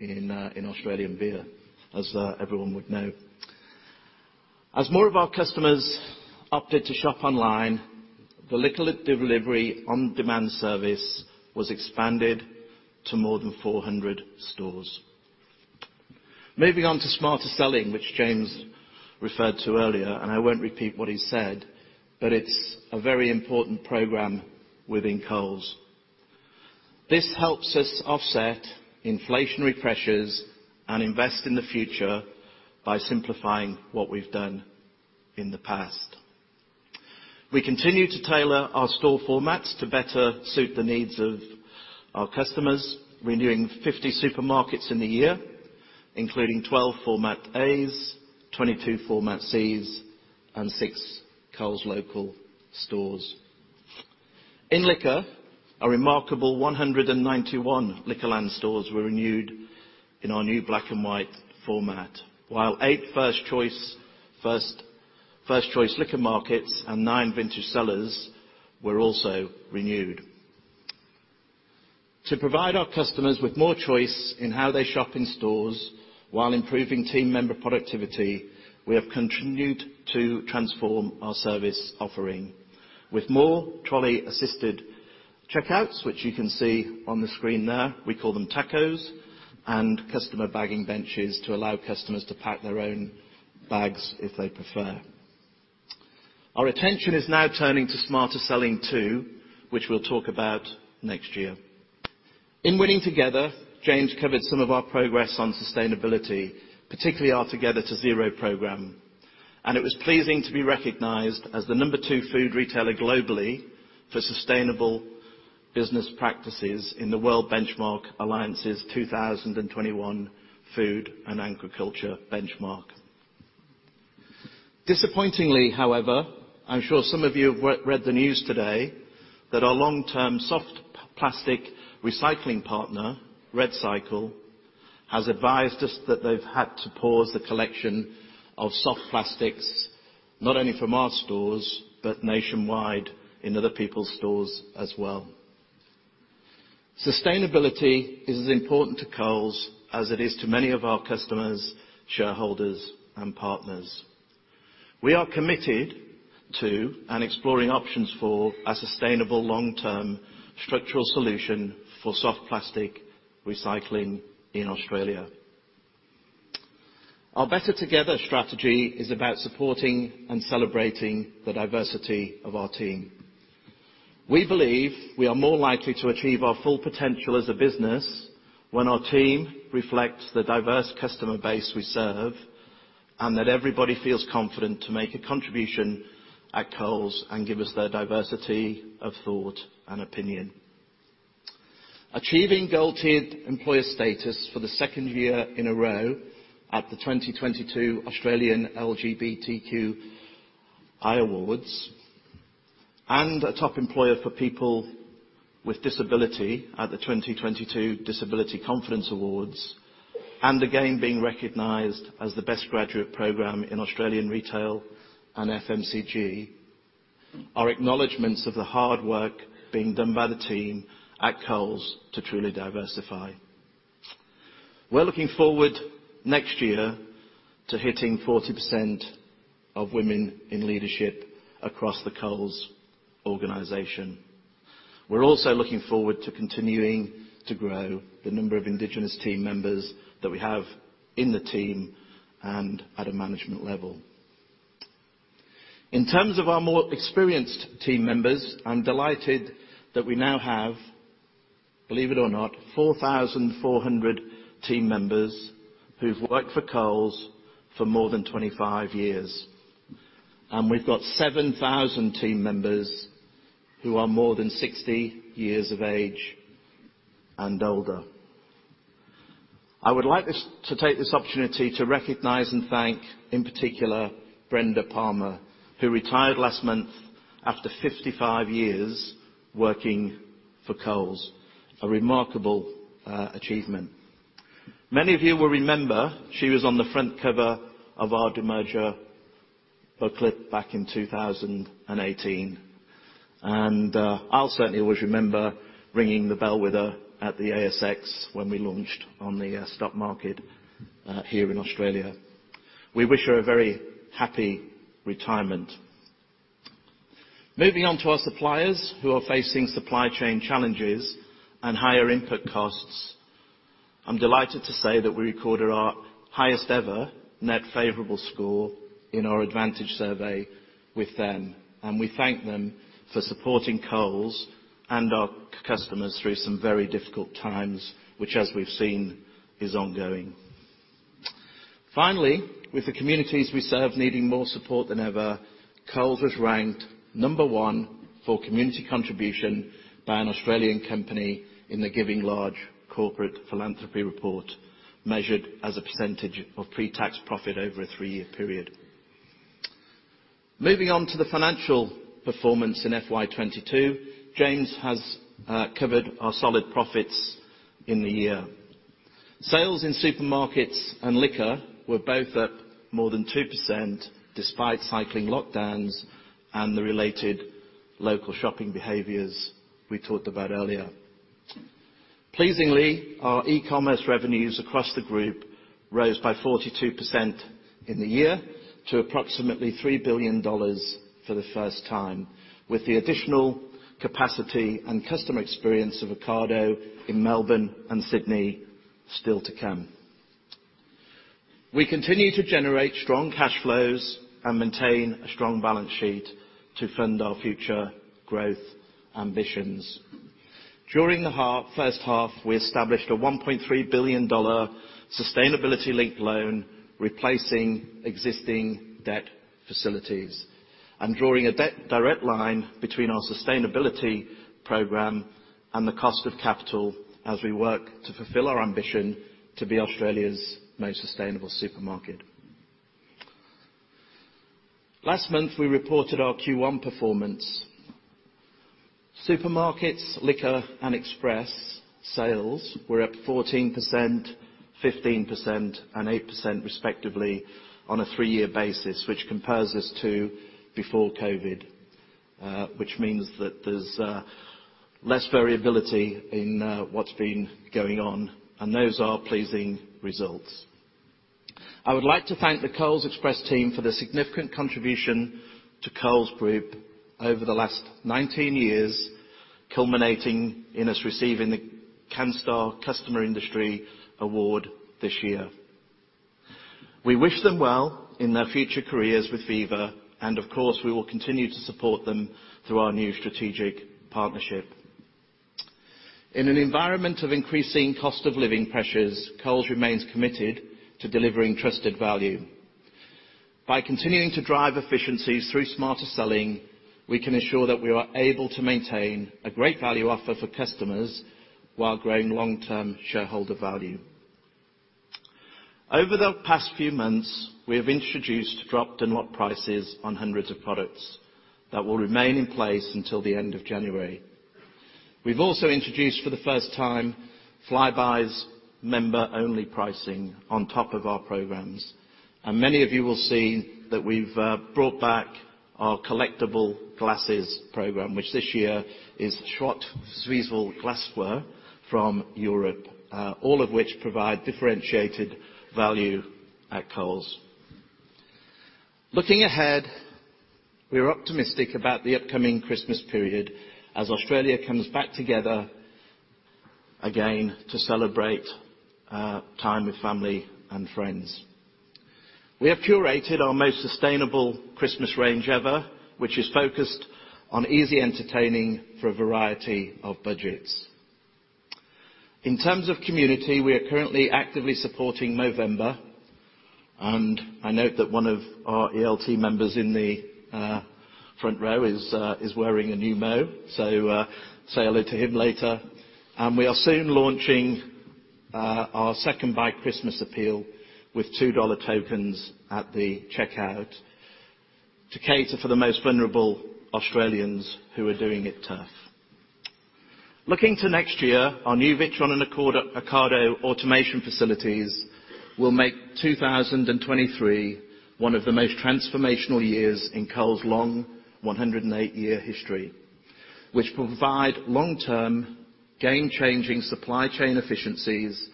award in Australian beer, as everyone would know. As more of our customers opted to shop online, the liquor delivery on-demand service was expanded to more than 400 stores. Moving on to Smarter Selling, which James referred to earlier, and I won't repeat what he said, but it's a very important program within Coles. This helps us offset inflationary pressures and invest in the future by simplifying what we've done in the past. We continue to tailor our store formats to better suit the needs of our customers, renewing 50 supermarkets in the year, including 12 Format A's, 22 Format C's, and 6 Coles Local stores. In liquor, a remarkable 191 Liquorland stores were renewed in our new black and white format, while 8 First Choice Liquor Markets and 9 Vintage Cellars were also renewed. To provide our customers with more choice in how they shop in stores while improving team member productivity, we have continued to transform our service offering. With more trolley-assisted checkouts, which you can see on the screen there, we call them TACs, and customer bagging benches to allow customers to pack their own bags if they prefer. Our attention is now turning to Smarter Selling 2, which we'll talk about next year. In winning together, James covered some of our progress on sustainability, particularly our Together to Zero program, and it was pleasing to be recognized as the number 2 food retailer globally for sustainable business practices in the World Benchmarking Alliance's 2021 food and agriculture benchmark. Disappointingly, however, I'm sure some of you have read the news today that our long-term soft plastic recycling partner, REDcycle, has advised us that they've had to pause the collection of soft plastics, not only from our stores, but nationwide in other people's stores as well. Sustainability is as important to Coles as it is to many of our customers, shareholders, and partners. We are committed to and exploring options for a sustainable long-term structural solution for soft plastic recycling in Australia. Our Better Together strategy is about supporting and celebrating the diversity of our team. We believe we are more likely to achieve our full potential as a business when our team reflects the diverse customer base we serve, and that everybody feels confident to make a contribution at Coles and give us their diversity of thought and opinion. Achieving gold-tiered employer status for the second year in a row at the 2022 Australian LGBTQI Awards and a top employer for people with disability at the 2022 Disability Confidence Awards. Again, being recognized as the best graduate program in Australian retail and FMCG are acknowledgments of the hard work being done by the team at Coles to truly diversify. We're looking forward next year to hitting 40% of women in leadership across the Coles organization. We're also looking forward to continuing to grow the number of Indigenous team members that we have in the team and at a management level. In terms of our more experienced team members, I'm delighted that we now have, believe it or not, 4,400 team members who've worked for Coles for more than 25 years. We've got 7,000 team members who are more than 60 years of age and older. I would like to take this opportunity to recognize and thank, in particular, Brenda Palmer, who retired last month after 55 years working for Coles. A remarkable achievement. Many of you will remember she was on the front cover of our demerger booklet back in 2018. I'll certainly always remember ringing the bell with her at the ASX when we launched on the stock market here in Australia. We wish her a very happy retirement. Moving on to our suppliers who are facing supply chain challenges and higher input costs. I'm delighted to say that we recorded our highest ever net favorable score in our Advantage survey with them, and we thank them for supporting Coles and our customers through some very difficult times, which as we've seen is ongoing. With the communities we serve needing more support than ever, Coles was ranked number 1 for community contribution by an Australian company in the GivingLarge Corporate Philanthropy report, measured as a percentage of pre-tax profit over a 3-year period. Moving on to the financial performance in FY 2022. James has covered our solid profits in the year. Sales in supermarkets and liquor were both up more than 2% despite cycling lockdowns and the related local shopping behaviors we talked about earlier. Pleasingly, our e-commerce revenues across the group rose by 42% in the year to approximately 3 billion dollars for the first time, with the additional capacity and customer experience of Ocado in Melbourne and Sydney still to come. We continue to generate strong cash flows and maintain a strong balance sheet to fund our future growth ambitions. During the first half, we established a 1.3 billion dollar sustainability-linked loan, replacing existing debt facilities and drawing a direct line between our sustainability program and the cost of capital as we work to fulfill our ambition to be Australia's most sustainable supermarket. Last month, we reported our Q1 performance. Supermarkets, liquor, and Express sales were up 14%, 15%, and 8% respectively on a 3-year basis, which compares us to before COVID, which means that there's less variability in what's been going on, and those are pleasing results. I would like to thank the Coles Express team for their significant contribution to Coles Group over the last 19 years, culminating in us receiving the Canstar Customer Industry Award this year. We wish them well in their future careers with Viva, and of course, we will continue to support them through our new strategic partnership. In an environment of increasing cost of living pressures, Coles remains committed to delivering trusted value. By continuing to drive efficiencies through Smarter Selling, we can ensure that we are able to maintain a great value offer for customers while growing long-term shareholder value. Over the past few months, we have introduced dropped-in-lot prices on hundreds of products that will remain in place until the end of January. We've also introduced for the first time Flybuys member-only pricing on top of our programs. Many of you will see that we've brought back our collectible glasses program, which this year is Schott Zwiesel glassware from Europe, all of which provide differentiated value at Coles. Looking ahead, we are optimistic about the upcoming Christmas period as Australia comes back together again to celebrate time with family and friends. We have curated our most sustainable Christmas range ever, which is focused on easy entertaining for a variety of budgets. In terms of community, we are currently actively supporting Movember, and I note that one of our ELT members in the front row is wearing a new mo, so say hello to him later. We are soon launching our second big Christmas appeal with 2 dollar tokens at the checkout to cater for the most vulnerable Australians who are doing it tough. Looking to next year, our new Witron and Ocado automation facilities will make 2023 one of the most transformational years in Coles' long 108-year history, which provide long-term, game-changing supply chain efficiencies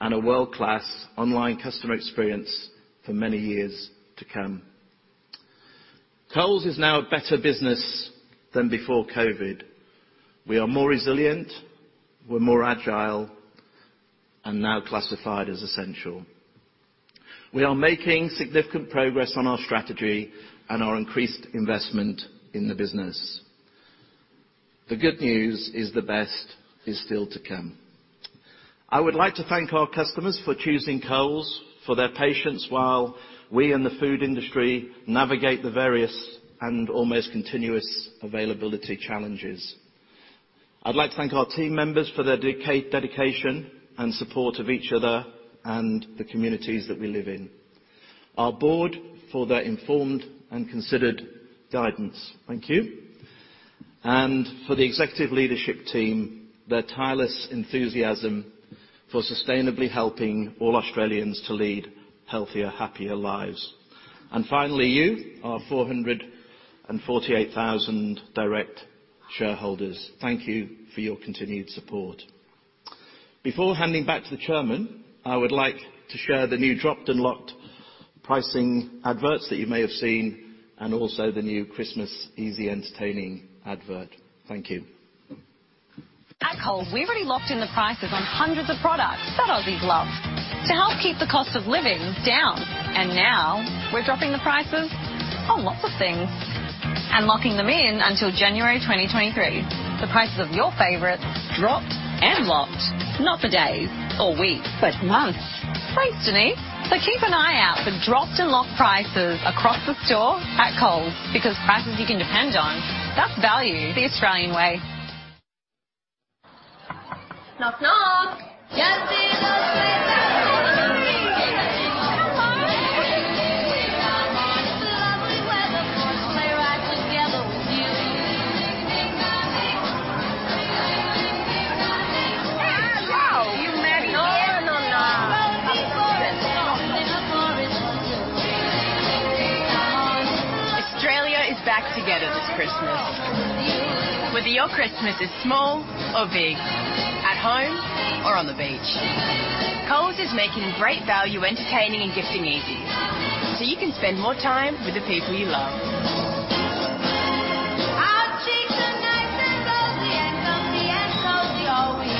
and a world-class online customer experience for many years to come. Coles is now a better business than before COVID. We are more resilient, we're more agile, and now classified as essential. We are making significant progress on our strategy and our increased investment in the business. The good news is the best is still to come. I would like to thank our customers for choosing Coles, for their patience while we in the food industry navigate the various and almost continuous availability challenges. I'd like to thank our team members for their dedication and support of each other and the communities that we live in, our board for their informed and considered guidance, thank you, and for the executive leadership team, their tireless enthusiasm for sustainably helping all Australians to lead healthier, happier lives. Finally, you, our 448,000 direct shareholders. Thank you for your continued support. Before handing back to the chairman, I would like to share the new Dropped & Locked pricing adverts that you may have seen, and also the new Christmas Easy Entertaining advert. Thank you. At Coles, we've already locked in the prices on hundreds of products that Aussies love to help keep the cost of living down. Now we're dropping the prices on lots of things and locking them in until January 2023. The prices of your favorites dropped and locked, not for days or weeks, but months. Thanks, Denise. Keep an eye out for Dropped & Locked prices across the store at Coles, because prices you can depend on, that's value the Australian way. Knock, knock. Just see those 3 birds flying in the wind, winging their way. Hello. Coming home. It's lovely weather for a sleigh ride together with you. Ding-ding-ding-ding-ding-dong-ding. Ding-ding-ding-ding-ding-dong-ding. Hey, wow. You made it. No, no. Up in the sky. Australia is back together this Christmas. Whether your Christmas is small or big, at home or on the beach, Coles is making great value entertaining and gifting easy, so you can spend more time with the people you love. Our cheeks are nice and rosy and comfy and cozy are we.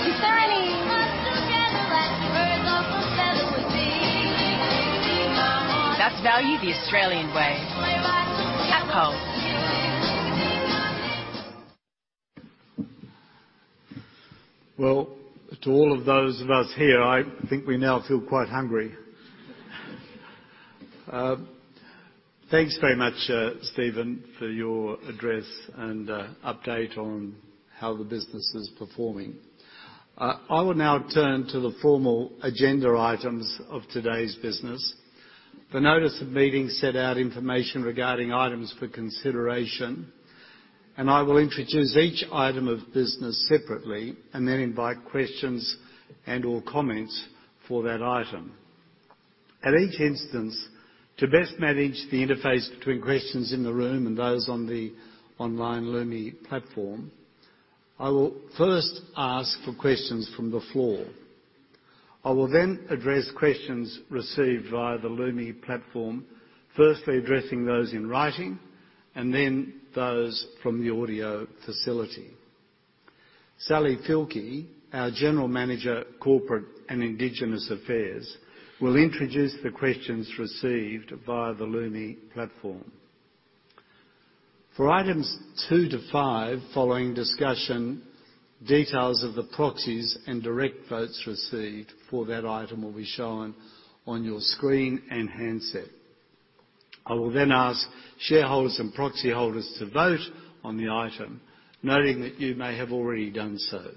To Sunny. Come together like birds of a feather would sing. Ding-ding-ding-ding-ding-dong-ding. That's value the Australian way. At Coles. Ding-dong-ding. Well, to all of those of us here, I think we now feel quite hungry. Thanks very much, Steven, for your address and update on how the business is performing. I will now turn to the formal agenda items of today's business. The notice of meeting set out information regarding items for consideration, and I will introduce each item of business separately and then invite questions and or comments for that item. At each instance, to best manage the interface between questions in the room and those on the online Lumi platform, I will first ask for questions from the floor. I will then address questions received via the Lumi platform, firstly addressing those in writing and then those from the audio facility. Sally Fielke, our General Manager, Corporate and Indigenous Affairs, will introduce the questions received via the Lumi platform. For items two to five, following discussion, details of the proxies and direct votes received for that item will be shown on your screen and handset. I will then ask shareholders and proxy holders to vote on the item, noting that you may have already done so.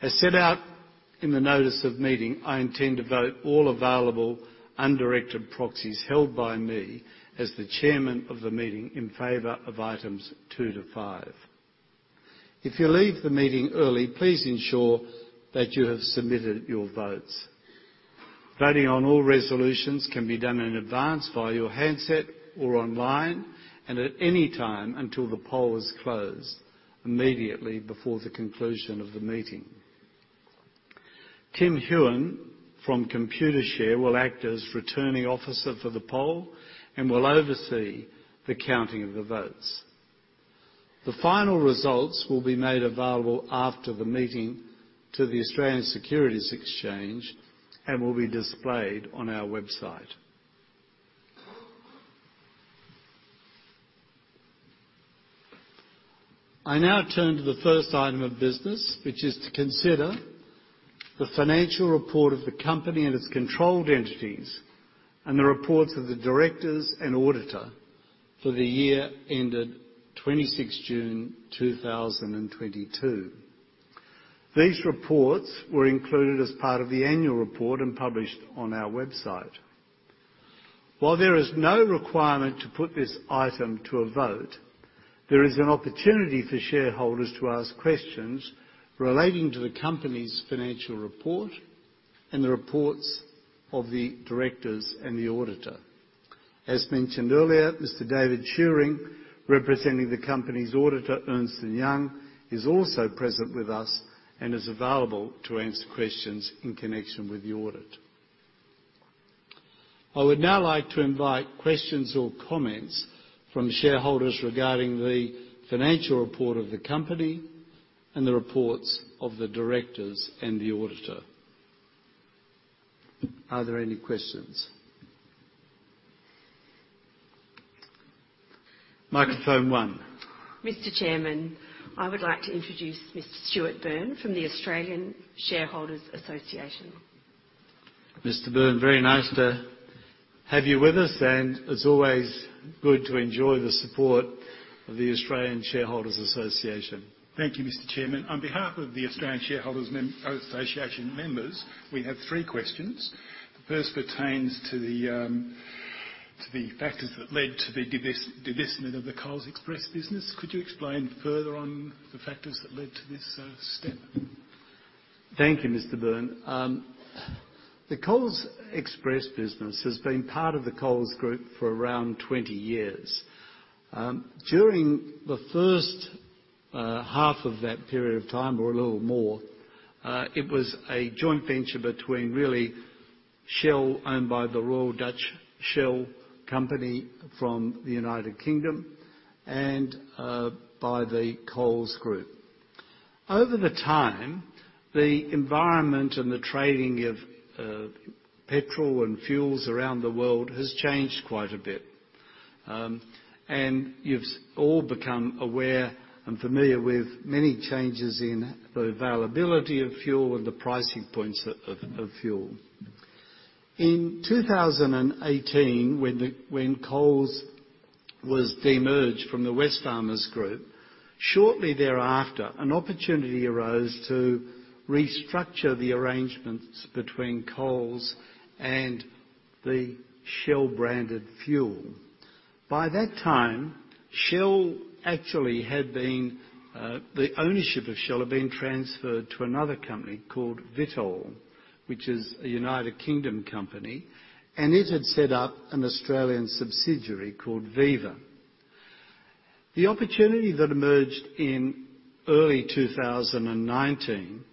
As set out in the notice of meeting, I intend to vote all available undirected proxies held by me as the chairman of the meeting in favor of items two to five. If you leave the meeting early, please ensure that you have submitted your votes. Voting on all resolutions can be done in advance via your handset or online and at any time until the poll is closed immediately before the conclusion of the meeting. Tim Huynh from Computershare will act as Returning Officer for the poll and will oversee the counting of the votes. The final results will be made available after the meeting to the Australian Securities Exchange and will be displayed on our website. I now turn to the first item of business, which is to consider the financial report of the company and its controlled entities and the reports of the directors and auditor for the year ended 26 June 2022. These reports were included as part of the annual report and published on our website. While there is no requirement to put this item to a vote, there is an opportunity for shareholders to ask questions relating to the company's financial report and the reports of the directors and the auditor. As mentioned earlier, Mr. David Shewring, representing the company's auditor, Ernst & Young, is also present with us and is available to answer questions in connection with the audit. I would now like to invite questions or comments from shareholders regarding the financial report of the company and the reports of the directors and the auditor. Are there any questions? Microphone one. Mr. Chairman, I would like to introduce Mr. Stuart Burns from the Australian Shareholders' Association. Mr. Burns, very nice to have you with us, and as always, good to enjoy the support of the Australian Shareholders' Association. Thank you, Mr. Chairman. On behalf of the Australian Shareholders' Association members, we have three questions. The first pertains to the factors that led to the divestment of the Coles Express business. Could you explain further on the factors that led to this step? Thank you, Mr. Burn. The Coles Express business has been part of the Coles Group for around 20 years. During the first half of that period of time or a little more, it was a joint venture between really Shell, owned by the Royal Dutch Shell Company from the United Kingdom, and the Coles Group. Over the time, the environment and the trading of petrol and fuels around the world has changed quite a bit. You've all become aware and familiar with many changes in the availability of fuel and the pricing points of fuel. In 2018, when Coles was demerged from the Wesfarmers Group, shortly thereafter, an opportunity arose to restructure the arrangements between Coles and the Shell-branded fuel. By that time, Shell actually had been the ownership of Shell had been transferred to another company called Vitol, which is a United Kingdom company, and it had set up an Australian subsidiary called Viva. The opportunity that emerged in early 2019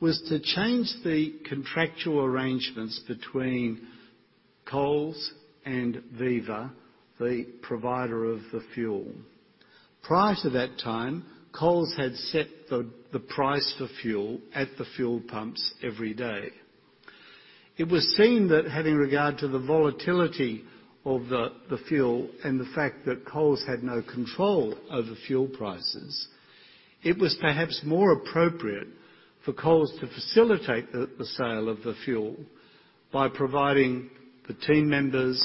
was to change the contractual arrangements between Coles and Viva, the provider of the fuel. Prior to that time, Coles had set the price for fuel at the fuel pumps every day. It was seen that having regard to the volatility of the fuel and the fact that Coles had no control over fuel prices, it was perhaps more appropriate for Coles to facilitate the sale of the fuel by providing the team members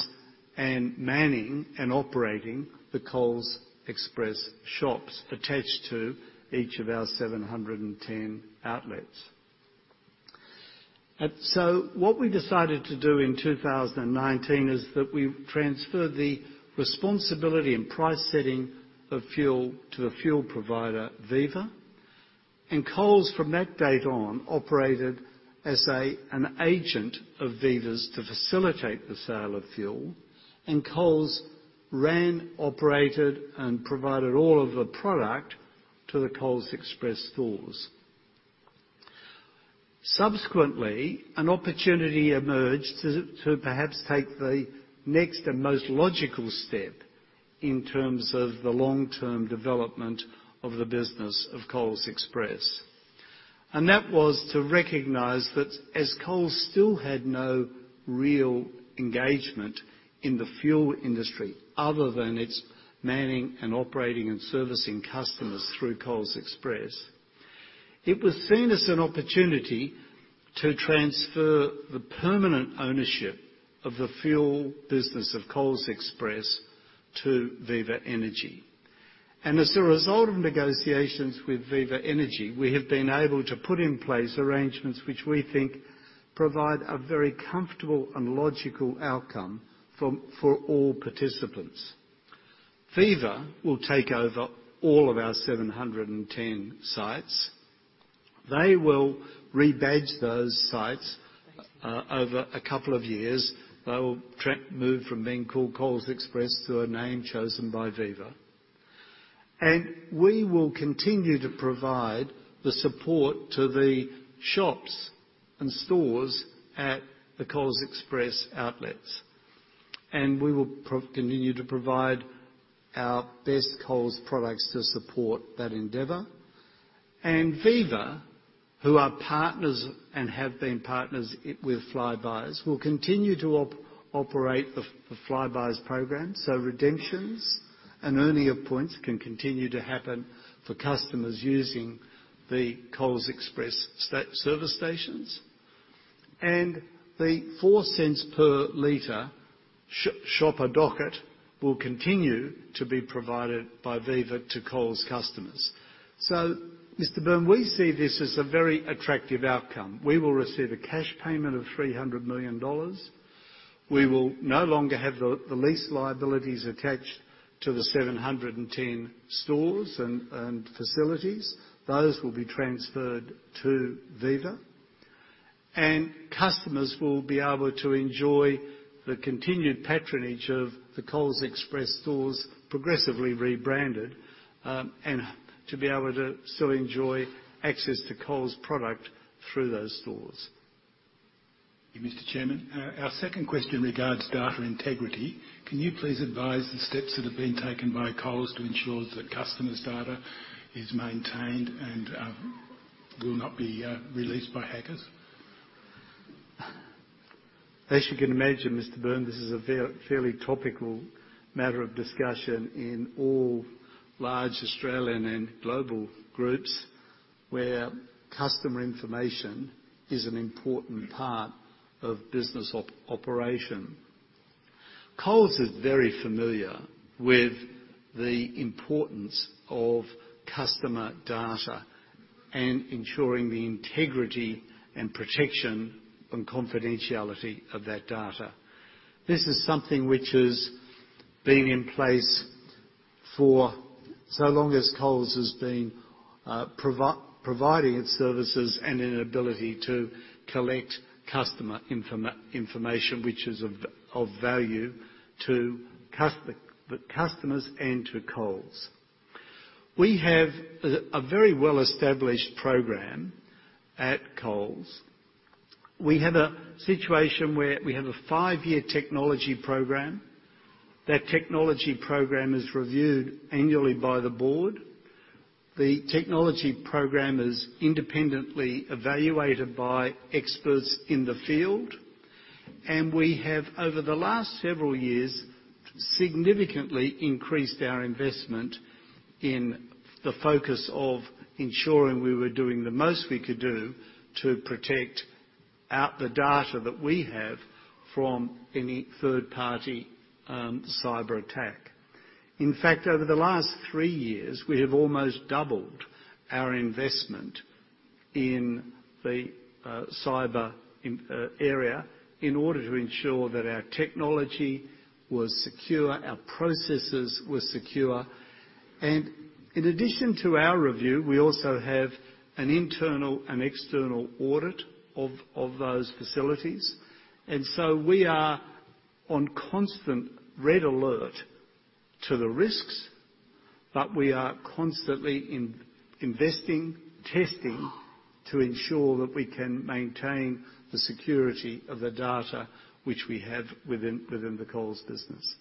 and manning and operating the Coles Express shops attached to each of our 710 outlets. What we decided to do in 2019 is that we transferred the responsibility and price setting of fuel to the fuel provider, Viva. Coles, from that date on, operated as an agent of Viva's to facilitate the sale of fuel. Coles ran, operated, and provided all of the product to the Coles Express stores. Subsequently, an opportunity emerged to perhaps take the next and most logical step in terms of the long-term development of the business of Coles Express. That was to recognize that as Coles still had no real engagement in the fuel industry other than its manning and operating and servicing customers through Coles Express, it was seen as an opportunity to transfer the permanent ownership of the fuel business of Coles Express to Viva Energy. As a result of negotiations with Viva Energy, we have been able to put in place arrangements which we think provide a very comfortable and logical outcome for all participants. Viva will take over all of our 710 sites. They will rebadge those sites over a couple of years. They will move from being called Coles Express to a name chosen by Viva. We will continue to provide the support to the shops and stores at the Coles Express outlets. We will continue to provide our best Coles products to support that endeavor. Viva, who are partners and have been partners with Flybuys, will continue to operate the Flybuys program, so redemptions and earning of points can continue to happen for customers using the Coles Express service stations. The 4 cents per liter shopper docket will continue to be provided by Viva to Coles customers. Mr. Burns, we see this as a very attractive outcome. We will receive a cash payment of 300 million dollars. We will no longer have the lease liabilities attached to the 710 stores and facilities. Those will be transferred to Viva. Customers will be able to enjoy the continued operation of the Coles Express stores progressively rebranded and to be able to still enjoy access to Coles product through those stores. Mr. Chairman, our second question regards data integrity. Can you please advise the steps that have been taken by Coles to ensure that customers' data is maintained and will not be released by hackers? As you can imagine, Mr. Burns, this is a fairly topical matter of discussion in all large Australian and global groups, where customer information is an important part of business operation. Coles is very familiar with the importance of customer data and ensuring the integrity and protection and confidentiality of that data. This is something which has been in place for so long as Coles has been providing its services and an ability to collect customer information which is of value to the customers and to Coles. We have a very well-established program at Coles. We have a situation where we have a five-year technology program. That technology program is reviewed annually by the board. The technology program is independently evaluated by experts in the field. We have, over the last several years, significantly increased our investment in the focus of ensuring we were doing the most we could do to protect our data that we have from any third-party cyberattack. In fact, over the last three years, we have almost doubled our investment in the cyber area in order to ensure that our technology was secure, our processes were secure. In addition to our review, we also have an internal and external audit of those facilities. We are on constant red alert to the risks, but we are constantly investing, testing to ensure that we can maintain the security of the data which we have within the Coles business.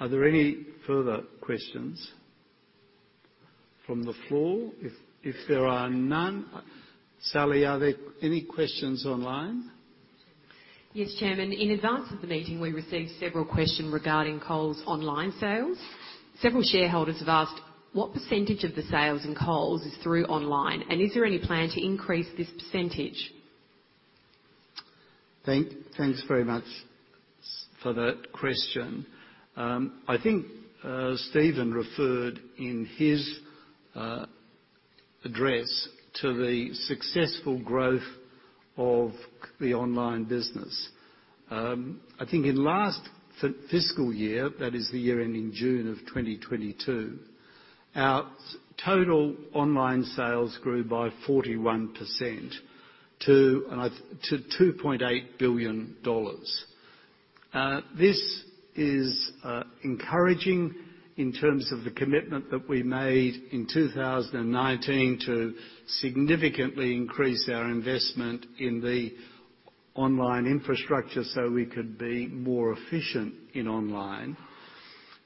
Are there any further questions from the floor? If there are none, Sally, are there any questions online? Yes, Chairman. In advance of the meeting, we received several questions regarding Coles online sales. Several shareholders have asked, what percentage of the sales in Coles is through online, and is there any plan to increase this percentage? Thanks very much for that question. I think Stephen referred in his address to the successful growth of the online business. I think in last fiscal year, that is the year ending June of 2022, our total online sales grew by 41% to 2.8 billion dollars. This is encouraging in terms of the commitment that we made in 2019 to significantly increase our investment in the online infrastructure so we could be more efficient in online.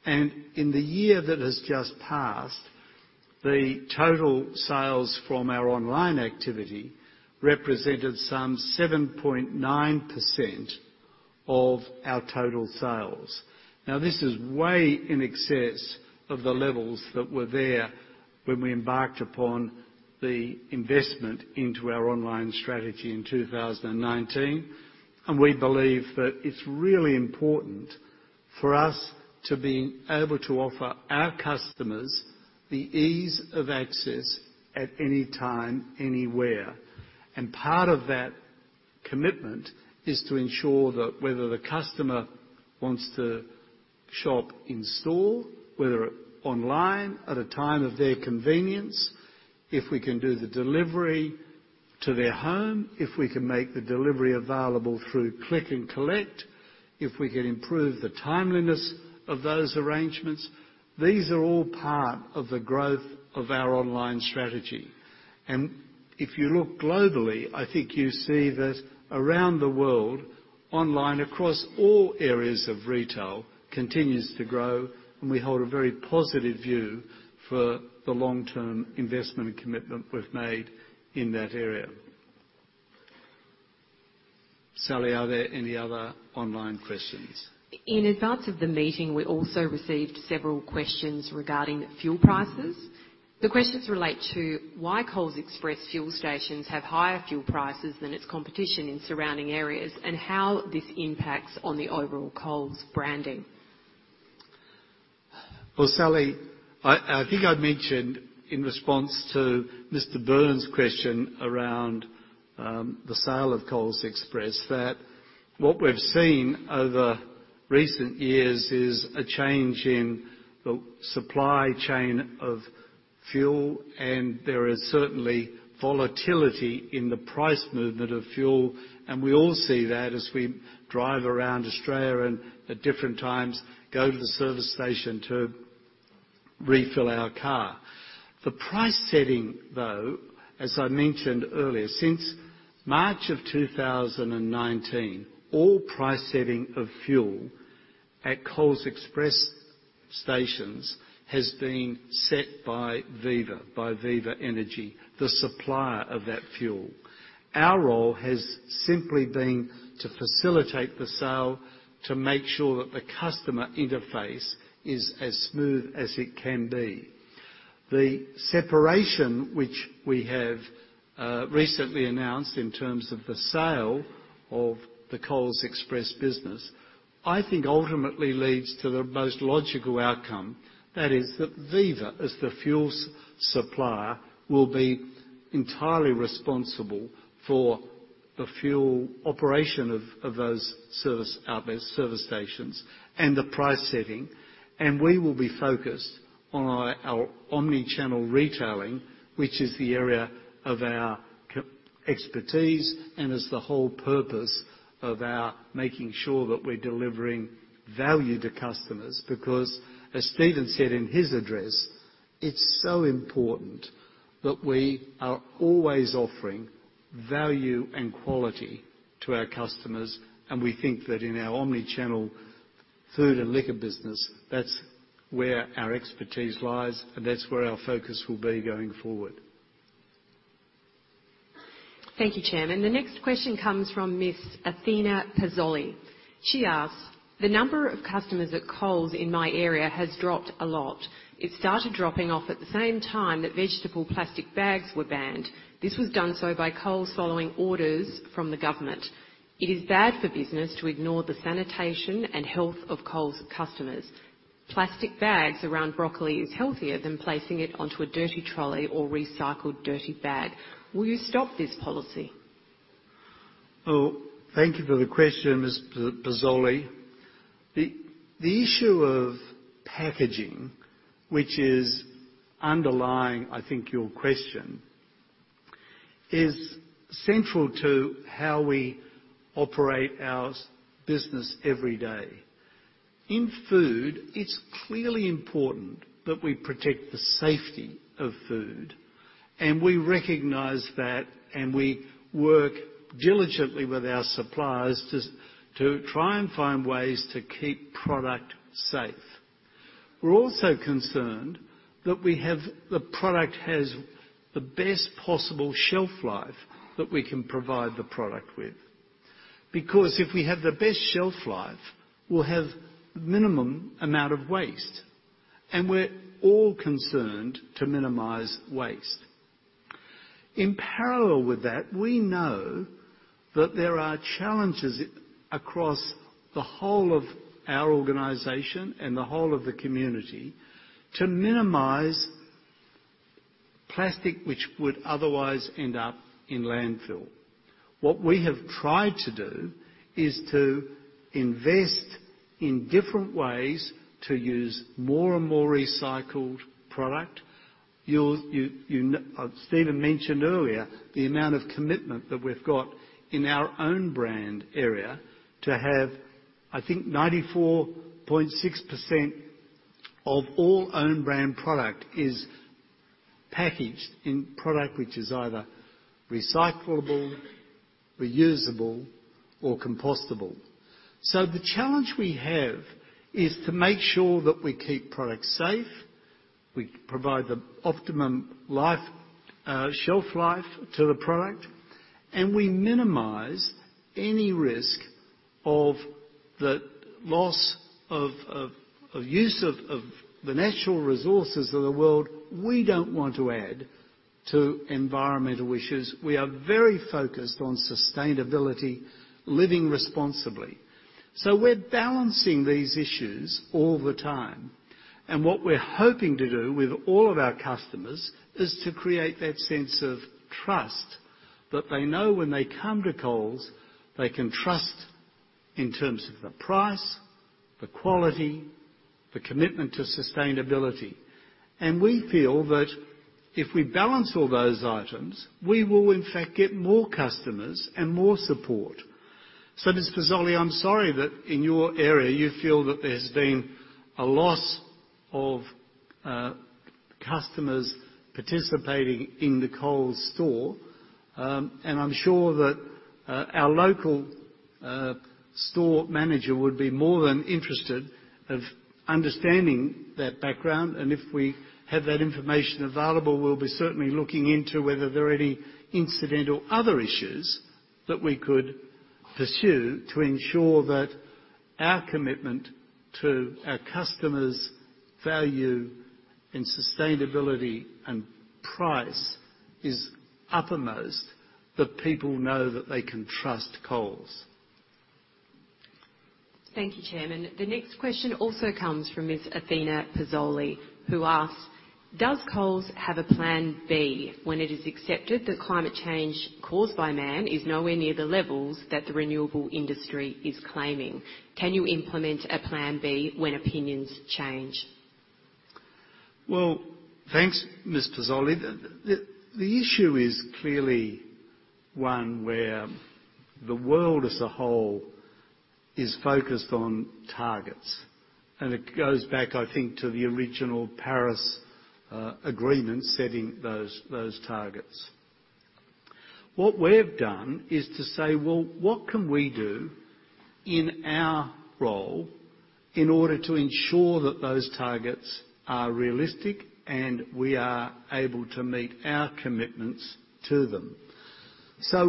In the year that has just passed, the total sales from our online activity represented some 7.9% of our total sales. This is way in excess of the levels that were there when we embarked upon the investment into our online strategy in 2019. We believe that it's really important for us to be able to offer our customers the ease of access at any time, anywhere. Part of that commitment is to ensure that whether the customer wants to shop in store, whether online at a time of their convenience, if we can do the delivery to their home, if we can make the delivery available through click and collect, if we can improve the timeliness of those arrangements, these are all part of the growth of our online strategy. If you look globally, I think you see that around the world, online, across all areas of retail, continues to grow, and we hold a very positive view for the long-term investment and commitment we've made in that area. Sally, are there any other online questions? In advance of the meeting, we also received several questions regarding fuel prices. The questions relate to why Coles Express fuel stations have higher fuel prices than its competition in surrounding areas, and how this impacts on the overall Coles branding. Well, Sally, I think I mentioned in response to Mr. Burns' question around the sale of Coles Express, that what we've seen over recent years is a change in the supply chain of fuel, and there is certainly volatility in the price movement of fuel. We all see that as we drive around Australia and at different times go to the service station to refill our car. The price setting, though, as I mentioned earlier, since March of 2019, all price setting of fuel at Coles Express stations has been set by Viva, by Viva Energy, the supplier of that fuel. Our role has simply been to facilitate the sale, to make sure that the customer interface is as smooth as it can be. The separation which we have recently announced in terms of the sale of the Coles Express business, I think ultimately leads to the most logical outcome, that is that Viva, as the fuel supplier, will be entirely responsible for the fuel operation of those service outlets, service stations and the price setting, and we will be focused on our omni-channel retailing, which is the area of our expertise and is the whole purpose of our making sure that we're delivering value to customers, because as Steven said in his address, it's so important that we are always offering value and quality to our customers. We think that in our omni-channel food and liquor business, that's where our expertise lies, and that's where our focus will be going forward. Thank you, Chairman. The next question comes from Miss Athena Pazzoli. She asks: The number of customers at Coles in my area has dropped a lot. It started dropping off at the same time that vegetable plastic bags were banned. This was done so by Coles following orders from the government. It is bad for business to ignore the sanitation and health of Coles customers. Plastic bags around broccoli is healthier than placing it onto a dirty trolley or recycled dirty bag. Will you stop this policy? Oh, thank you for the question, Ms. Pazzoli. The issue of packaging, which is underlying I think your question, is central to how we operate our business every day. In food, it's clearly important that we protect the safety of food, and we recognize that, and we work diligently with our suppliers to try and find ways to keep product safe. We're also concerned that the product has the best possible shelf life that we can provide the product with. Because if we have the best shelf life, we'll have minimum amount of waste, and we're all concerned to minimize waste. In parallel with that, we know that there are challenges across the whole of our organization and the whole of the community to minimize plastic which would otherwise end up in landfill. What we have tried to do is to invest in different ways to use more and more recycled product. Steven mentioned earlier the amount of commitment that we've got in our own brand area to have, I think 94.6% of all own brand product is packaged in product which is either recyclable, reusable, or compostable. The challenge we have is to make sure that we keep products safe, we provide the optimum life, shelf life to the product, and we minimize any risk of the loss of use of the natural resources of the world. We don't want to add to environmental issues. We are very focused on sustainability, living responsibly. We're balancing these issues all the time, and what we're hoping to do with all of our customers is to create that sense of trust that they know when they come to Coles, they can trust in terms of the price, the quality, the commitment to sustainability. We feel that if we balance all those items, we will in fact get more customers and more support. Ms. Pazzoli, I'm sorry that in your area you feel that there's been a loss of customers participating in the Coles store. I'm sure that our local store manager would be more than interested of understanding that background. If we have that information available, we'll be certainly looking into whether there are any incidental other issues that we could pursue to ensure that our commitment to our customers' value in sustainability and price is uppermost, that people know that they can trust Coles. Thank you, Chairman. The next question also comes from Ms. Athena Pazzoli, who asks, "Does Coles have a plan B when it is accepted that climate change caused by man is nowhere near the levels that the renewable industry is claiming? Can you implement a plan B when opinions change? Well, thanks, Ms. Pazzoli. The issue is clearly one where the world as a whole is focused on targets, and it goes back, I think, to the original Paris Agreement setting those targets. What we've done is to say, "Well, what can we do in our role in order to ensure that those targets are realistic and we are able to meet our commitments to them?"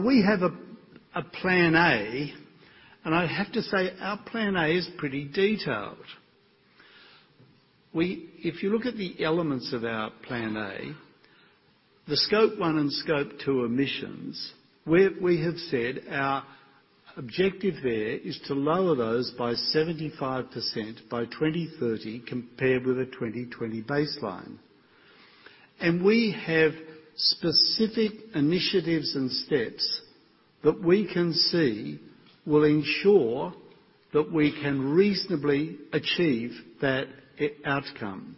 We have a plan A, and I have to say our plan A is pretty detailed. If you look at the elements of our plan A, the Scope 1 and Scope 2 emissions, we have said our objective there is to lower those by 75% by 2030 compared with a 2020 baseline. We have specific initiatives and steps that we can see will ensure that we can reasonably achieve that outcome.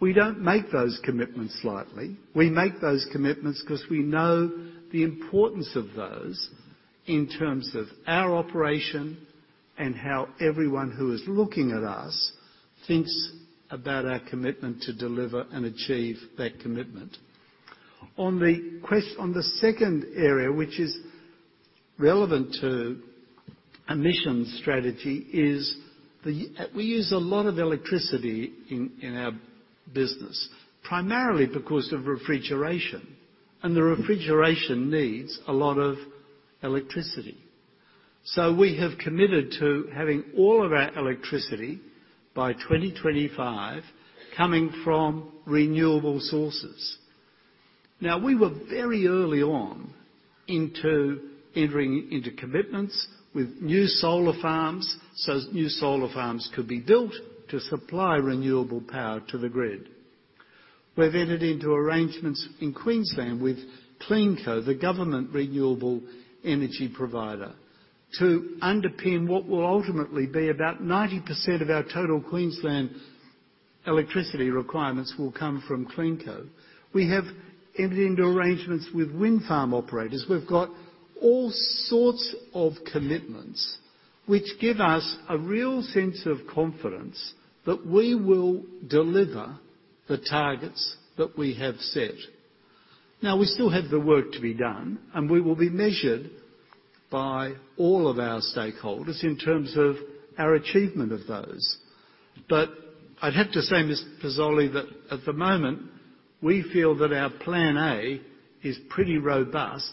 We don't make those commitments lightly. We make those commitments 'cause we know the importance of those in terms of our operation and how everyone who is looking at us thinks about our commitment to deliver and achieve that commitment. On the second area, which is relevant to emissions strategy, is the We use a lot of electricity in our business, primarily because of refrigeration and the refrigeration needs a lot of electricity. We have committed to having all of our electricity by 2025 coming from renewable sources. We were very early on into entering into commitments with new solar farms, so new solar farms could be built to supply renewable power to the grid. We've entered into arrangements in Queensland with CleanCo, the government renewable energy provider, to underpin what will ultimately be about 90% of our total Queensland electricity requirements will come from CleanCo. We have entered into arrangements with wind farm operators. We've got all sorts of commitments which give us a real sense of confidence that we will deliver the targets that we have set. Now, we still have the work to be done, and we will be measured by all of our stakeholders in terms of our achievement of those. I'd have to say, Ms. Pazzoli, that at the moment, we feel that our plan A is pretty robust,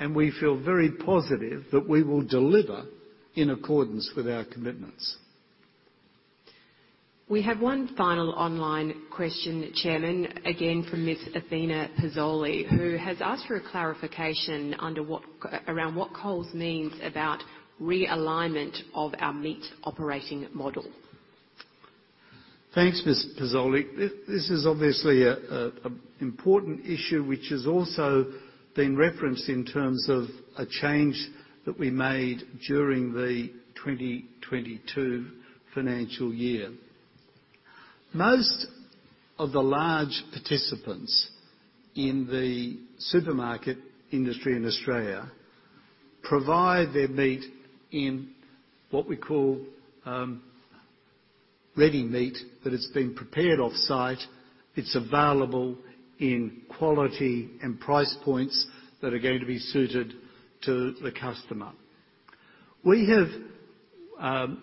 and we feel very positive that we will deliver in accordance with our commitments. We have one final online question, Chairman, again, from Ms. Athena Pazzoli, who has asked for a clarification around what Coles means about realignment of our meat operating model. Thanks, Ms. Pazzoli. This is obviously an important issue which has also been referenced in terms of a change that we made during the 2022 financial year. Most of the large participants in the supermarket industry in Australia provide their meat in what we call ready meat, that it's been prepared off-site. It's available in quality and price points that are going to be suited to the customer. We have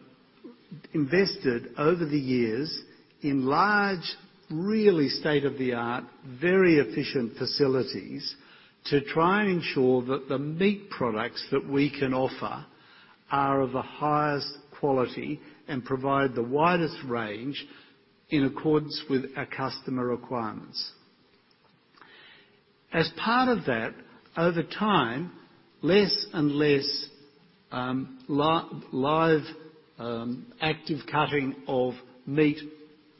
invested over the years in large, really state-of-the-art, very efficient facilities to try and ensure that the meat products that we can offer are of the highest quality and provide the widest range in accordance with our customer requirements. As part of that, over time, less and less live active cutting of meat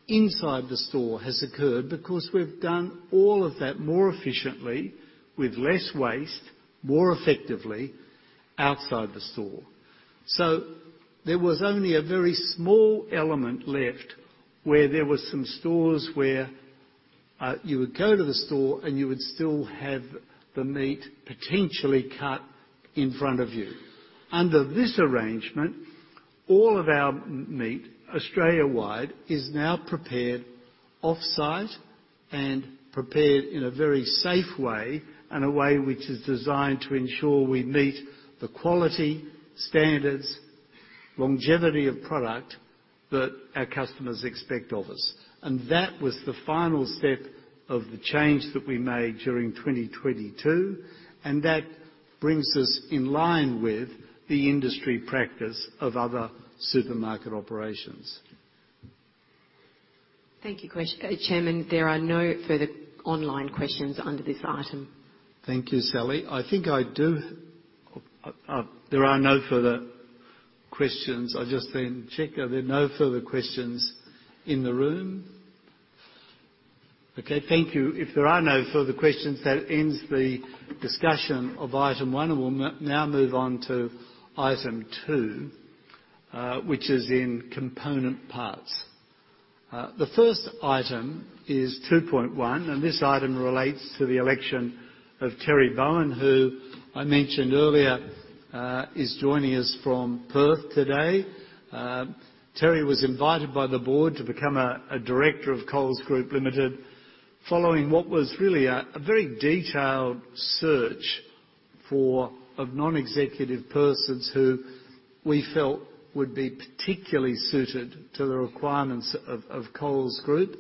inside the store has occurred because we've done all of that more efficiently with less waste, more effectively outside the store. There was only a very small element left where there were some stores where you would go to the store and you would still have the meat potentially cut in front of you. Under this arrangement, all of our meat Australia-wide is now prepared off-site and prepared in a very safe way and a way which is designed to ensure we meet the quality, standards, longevity of product that our customers expect of us. That was the final step of the change that we made during 2022, and that brings us in line with the industry practice of other supermarket operations. Thank you, Chairman. There are no further online questions under this item. Thank you, Sally. I think I do. There are no further questions. I'll just then check. Are there no further questions in the room? Okay, thank you. If there are no further questions, that ends the discussion of item one. We'll move on to item two, which is in component parts. The first item is 2.1, and this item relates to the election of Terry Bowen, who I mentioned earlier, is joining us from Perth today. Terry was invited by the board to become a director of Coles Group Limited, following what was really a very detailed search for non-executive persons who we felt would be particularly suited to the requirements of Coles Group.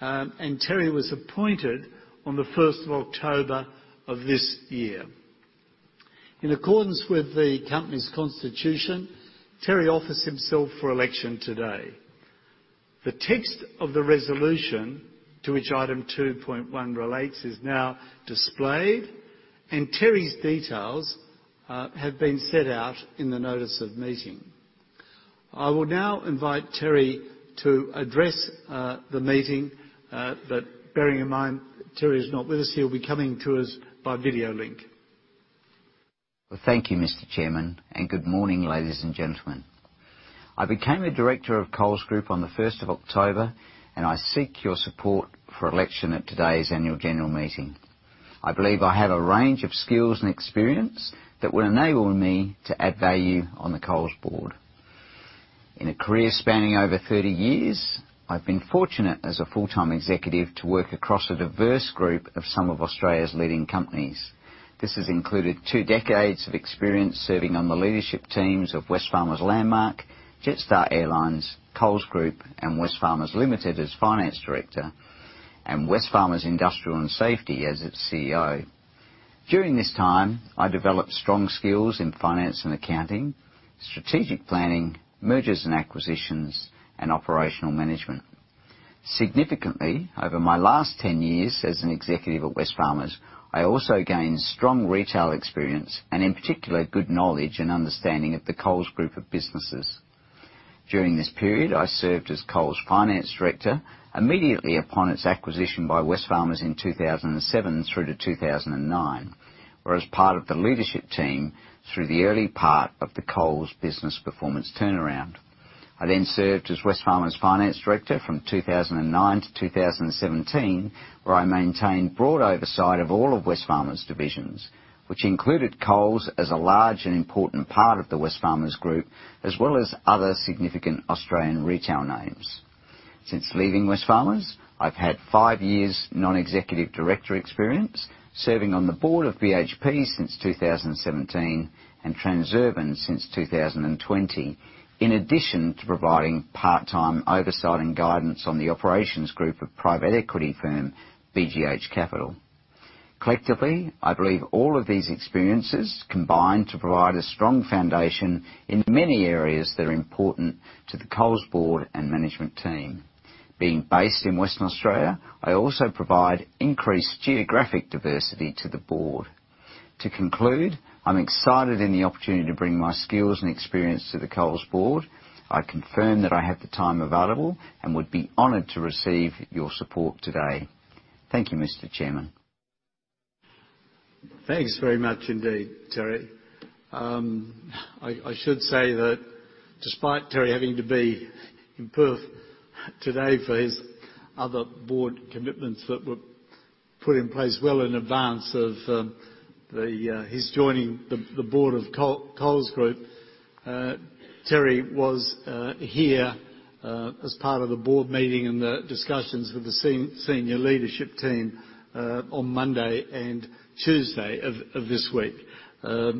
Terry was appointed on the first of October of this year. In accordance with the company's constitution, Terry offers himself for election today. The text of the resolution to which item 2.1 relates is now displayed, and Terry's details have been set out in the notice of meeting. I will now invite Terry to address the meeting, but bearing in mind that Terry is not with us, he'll be coming to us by video link. Well, thank you, Mr. Chairman, and good morning, ladies and gentlemen. I became a director of Coles Group on the first of October, and I seek your support for election at today's annual general meeting. I believe I have a range of skills and experience that will enable me to add value on the Coles board. In a career spanning over 30 years, I've been fortunate as a full-time executive to work across a diverse group of some of Australia's leading companies. This has included 2 decades of experience serving on the leadership teams of Wesfarmers Landmark, Jetstar Airways, Coles Group, and Wesfarmers Limited as finance director, and Wesfarmers Industrial and Safety as its CEO. During this time, I developed strong skills in finance and accounting, strategic planning, mergers and acquisitions, and operational management. Significantly, over my last 10 years as an executive at Wesfarmers, I also gained strong retail experience and, in particular, good knowledge and understanding of the Coles Group of businesses. During this period, I served as Coles' finance director immediately upon its acquisition by Wesfarmers in 2007 through to 2009, or as part of the leadership team through the early part of the Coles business performance turnaround. I then served as Wesfarmers' finance director from 2009 to 2017, where I maintained broad oversight of all of Wesfarmers' divisions, which included Coles as a large and important part of the Wesfarmers group, as well as other significant Australian retail names. Since leaving Wesfarmers, I've had 5 years non-executive director experience, serving on the board of BHP since 2017 and Transurban since 2020. In addition to providing part-time oversight and guidance on the operations group of private equity firm BGH Capital. Collectively, I believe all of these experiences combine to provide a strong foundation in many areas that are important to the Coles board and management team. Being based in Western Australia, I also provide increased geographic diversity to the board. To conclude, I'm excited in the opportunity to bring my skills and experience to the Coles board. I confirm that I have the time available and would be honored to receive your support today. Thank you, Mr. Chairman. Thanks very much indeed, Terry. I should say that despite Terry having to be in Perth today for his other board commitments that were put in place well in advance of his joining the board of Coles Group, Terry was here as part of the board meeting and the discussions with the senior leadership team on Monday and Tuesday of this week. I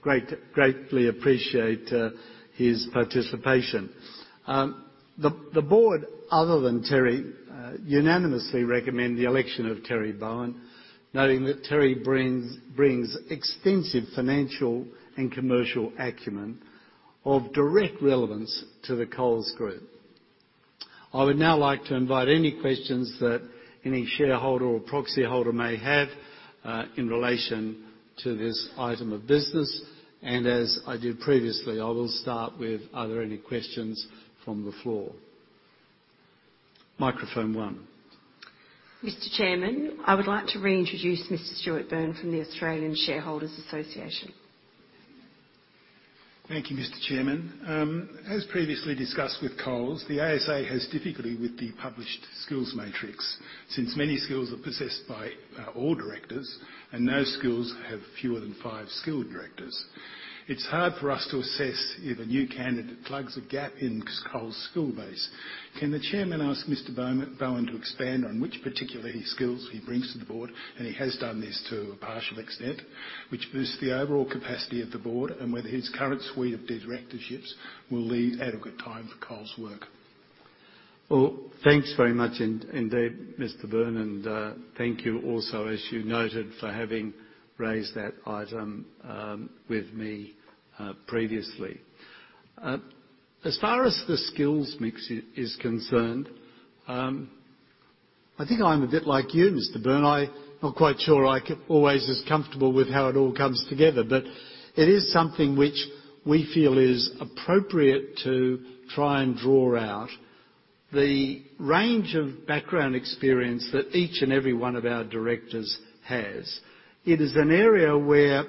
greatly appreciate his participation. The board, other than Terry, unanimously recommend the election of Terry Bowen, noting that Terry brings extensive financial and commercial acumen of direct relevance to the Coles Group. I would now like to invite any questions that any shareholder or proxy holder may have in relation to this item of business. As I did previously, I will start with, are there any questions from the floor? Microphone one. Mr. Chairman, I would like to reintroduce Mr. Stuart Burns from the Australian Shareholders' Association. Thank you, Mr. Chairman. As previously discussed with Coles, the ASA has difficulty with the published skills matrix since many skills are possessed by all directors and no skills have fewer than five skilled directors. It's hard for us to assess if a new candidate plugs a gap in Coles' skill base. Can the chairman ask Mr. Bowen to expand on which particular skills he brings to the board, and he has done this to a partial extent, which boosts the overall capacity of the board, and whether his current suite of directorships will leave adequate time for Coles work? Well, thanks very much indeed, Mr. Burns. Thank you also, as you noted, for having raised that item with me previously. As far as the skills mix is concerned, I think I'm a bit like you, Mr. Burns. I'm not quite sure I always get as comfortable with how it all comes together. It is something which we feel is appropriate to try and draw out the range of background experience that each and every one of our directors has. It is an area where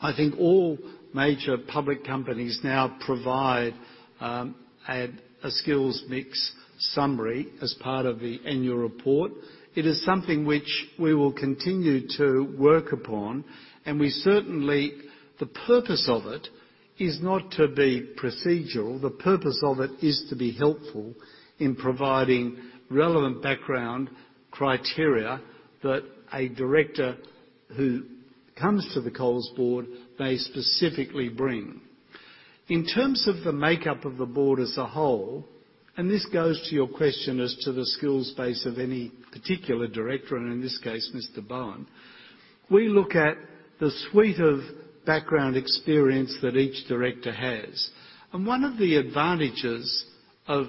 I think all major public companies now provide a skills mix summary as part of the annual report. It is something which we will continue to work upon. The purpose of it is not to be procedural. The purpose of it is to be helpful in providing relevant background criteria that a director who comes to the Coles board may specifically bring. In terms of the makeup of the board as a whole, and this goes to your question as to the skills base of any particular director, and in this case, Mr. Bowen, we look at the suite of background experience that each director has. One of the advantages of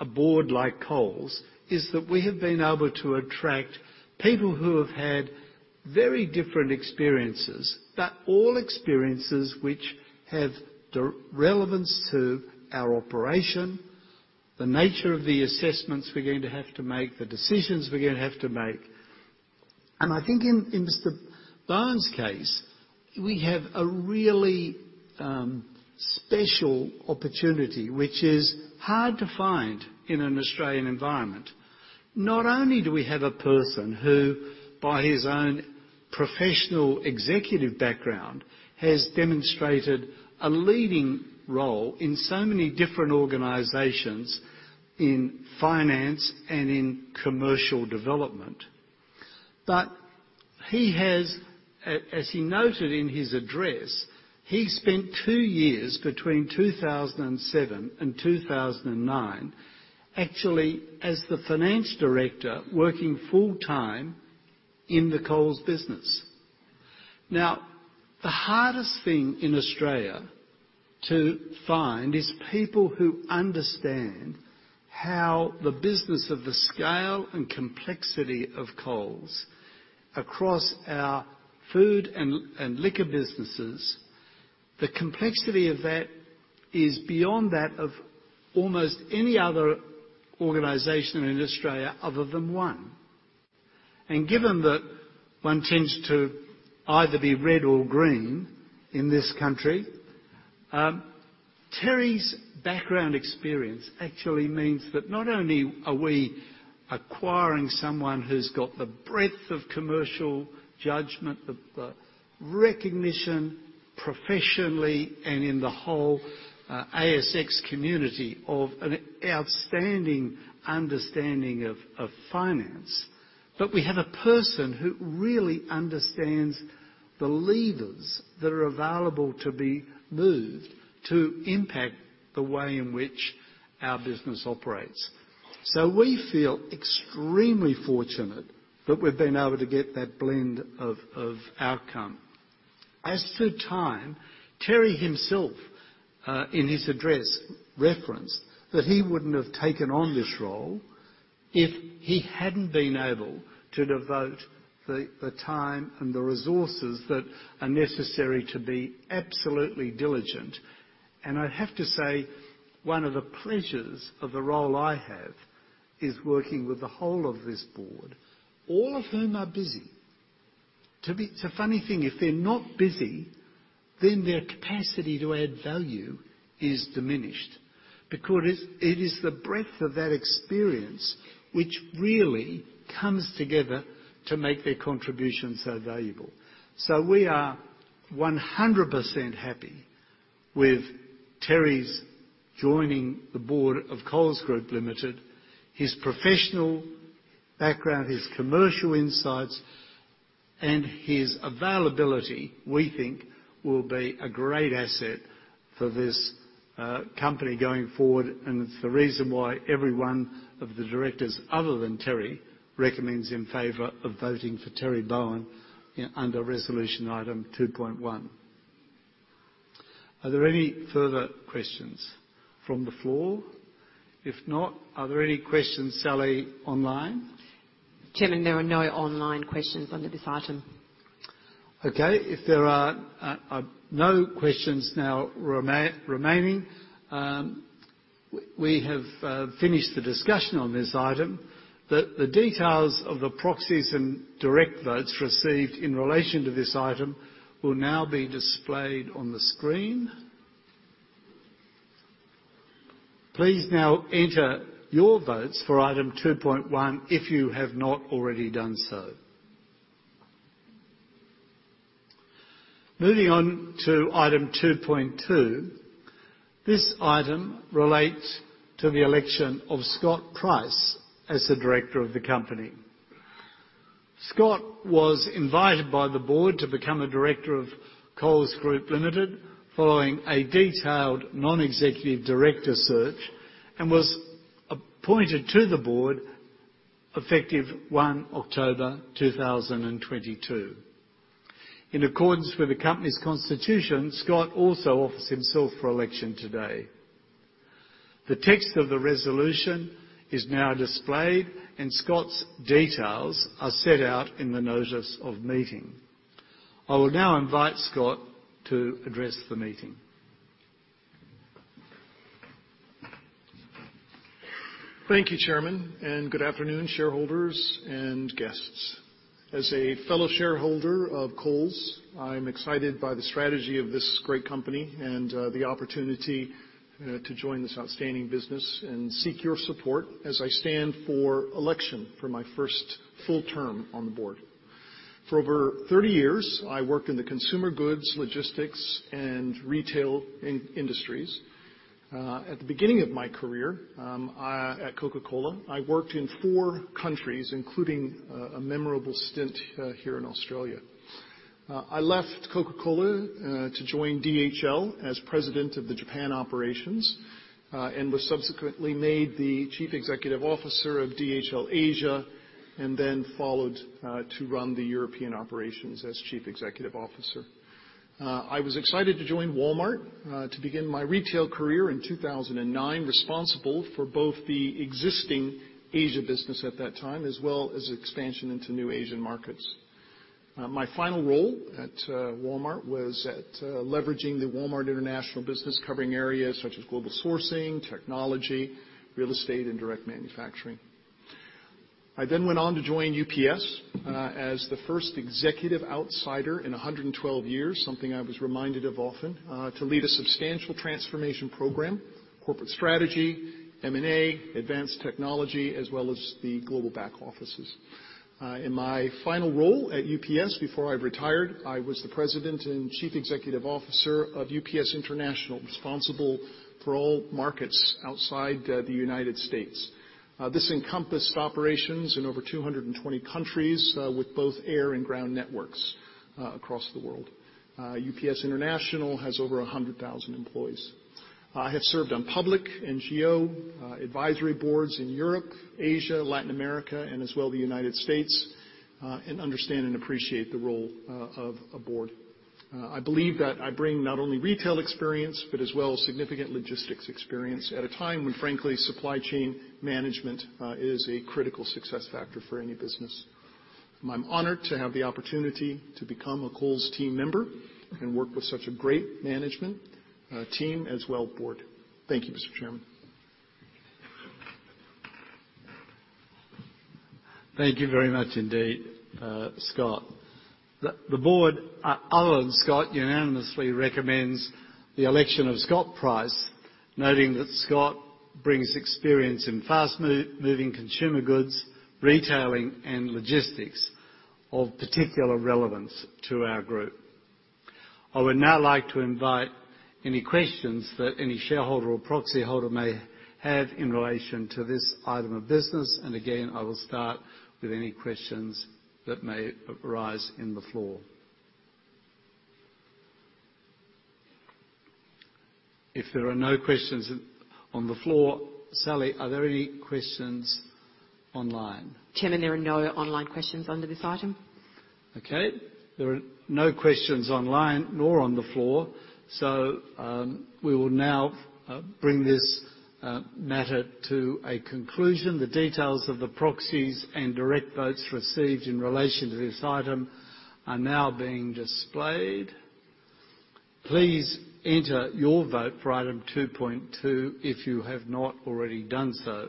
a board like Coles is that we have been able to attract people who have had very different experiences, but all experiences which have relevance to our operation, the nature of the assessments we're going to have to make, the decisions we're gonna have to make. I think in Mr. Bowen's case, we have a really special opportunity, which is hard to find in an Australian environment. Not only do we have a person who, by his own professional executive background, has demonstrated a leading role in so many different organizations in finance and in commercial development, but he has, as he noted in his address, he spent two years between 2007 and 2009, actually as the finance director working full-time in the Coles business. Now, the hardest thing in Australia to find is people who understand how the business of the scale and complexity of Coles across our food and liquor businesses, the complexity of that is beyond that of almost any other organization in Australia other than one. Given that one tends to either be red or green in this country, Terry's background experience actually means that not only are we acquiring someone who's got the breadth of commercial judgment, the recognition professionally and in the whole ASX community of an outstanding understanding of finance, but we have a person who really understands the levers that are available to be moved to impact the way in which our business operates. We feel extremely fortunate that we've been able to get that blend of outcome. As to time, Terry himself in his address referenced that he wouldn't have taken on this role if he hadn't been able to devote the time and the resources that are necessary to be absolutely diligent. I have to say, one of the pleasures of the role I have is working with the whole of this board, all of whom are busy. It's a funny thing, if they're not busy, then their capacity to add value is diminished because it is the breadth of that experience which really comes together to make their contribution so valuable. We are 100% happy with Terry's joining the board of Coles Group Limited. His professional background, his commercial insights, and his availability, we think, will be a great asset for this company going forward, and it's the reason why every one of the directors other than Terry recommends in favor of voting for Terry Bowen under resolution item 2.1. Are there any further questions from the floor? If not, are there any questions, Sally, online? Chairman, there are no online questions under this item. Okay. If there are no questions now remaining, we have finished the discussion on this item. The details of the proxies and direct votes received in relation to this item will now be displayed on the screen. Please now enter your votes for item 2.1 if you have not already done so. Moving on to item 2.2. This item relates to the election of Scott Price as a director of the company. Scott was invited by the board to become a director of Coles Group Limited following a detailed non-executive director search and was appointed to the board effective 1 October 2022. In accordance with the company's constitution, Scott also offers himself for election today. The text of the resolution is now displayed, and Scott's details are set out in the notice of meeting. I will now invite Scott to address the meeting. Thank you, Chairman, and good afternoon, shareholders and guests. As a fellow shareholder of Coles, I'm excited by the strategy of this great company and the opportunity to join this outstanding business and seek your support as I stand for election for my first full term on the board. For over 30 years, I worked in the consumer goods, logistics, and retail industries. At the beginning of my career, at Coca-Cola, I worked in four countries, including a memorable stint here in Australia. I left Coca-Cola to join DHL as president of the Japan operations and was subsequently made the Chief Executive Officer of DHL Asia, and then followed to run the European operations as Chief Executive Officer. I was excited to join Walmart to begin my retail career in 2009, responsible for both the existing Asia business at that time, as well as expansion into new Asian markets. My final role at Walmart was leveraging the Walmart international business, covering areas such as global sourcing, technology, real estate, and direct manufacturing. I then went on to join UPS as the first executive outsider in 112 years, something I was reminded of often, to lead a substantial transformation program, corporate strategy, M&A, advanced technology, as well as the global back offices. In my final role at UPS, before I retired, I was the president and Chief Executive Officer of UPS International, responsible for all markets outside the United States. This encompassed operations in over 220 countries, with both air and ground networks across the world. UPS International has over 100,000 employees. I have served on public NGO advisory boards in Europe, Asia, Latin America, and as well the United States, and understand and appreciate the role of a board. I believe that I bring not only retail experience, but as well as significant logistics experience, at a time when, frankly, supply chain management is a critical success factor for any business. I'm honored to have the opportunity to become a Coles team member and work with such a great management team, as well, board. Thank you, Mr. Chairman. Thank you very much indeed, Scott. The board, other than Scott, unanimously recommends the election of Scott Price, noting that Scott brings experience in fast-moving consumer goods, retailing, and logistics of particular relevance to our group. I would now like to invite any questions that any shareholder or proxy holder may have in relation to this item of business. I will start with any questions that may arise on the floor. If there are no questions on the floor, Sally, are there any questions online? Chairman, there are no online questions under this item. Okay. There are no questions online nor on the floor, so we will now bring this matter to a conclusion. The details of the proxies and direct votes received in relation to this item are now being displayed. Please enter your vote for item 2.2 if you have not already done so.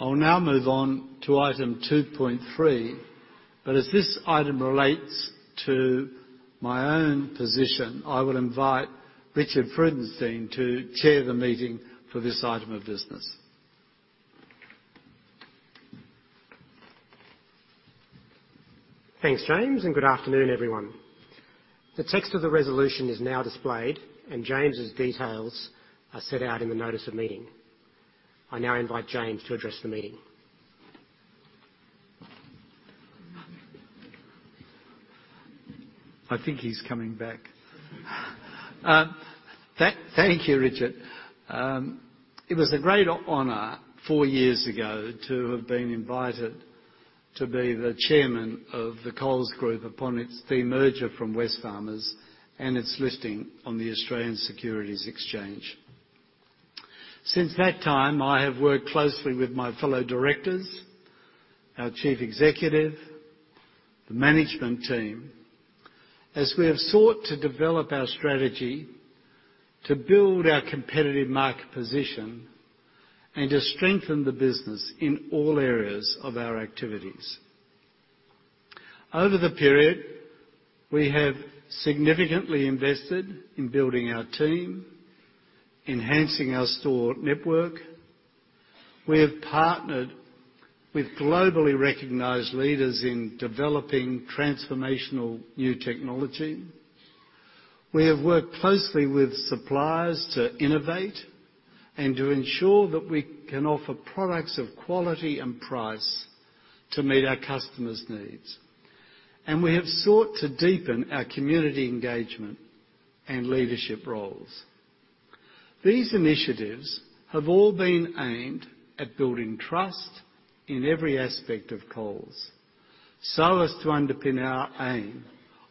I'll now move on to item 2.3, but as this item relates to my own position, I would invite Richard Freudenstein to chair the meeting for this item of business. Thanks, James, and good afternoon, everyone. The text of the resolution is now displayed and James's details are set out in the notice of meeting. I now invite James to address the meeting. I think he's coming back. Thank you, Richard. It was a great honor four years ago to have been invited to be the chairman of the Coles Group upon its demerger from Wesfarmers and its listing on the Australian Securities Exchange. Since that time, I have worked closely with my fellow directors, our chief executive, the management team, as we have sought to develop our strategy, to build our competitive market position, and to strengthen the business in all areas of our activities. Over the period, we have significantly invested in building our team, enhancing our store network. We have partnered with globally recognized leaders in developing transformational new technology. We have worked closely with suppliers to innovate and to ensure that we can offer products of quality and price to meet our customers' needs. We have sought to deepen our community engagement and leadership roles. These initiatives have all been aimed at building trust in every aspect of Coles, so as to underpin our aim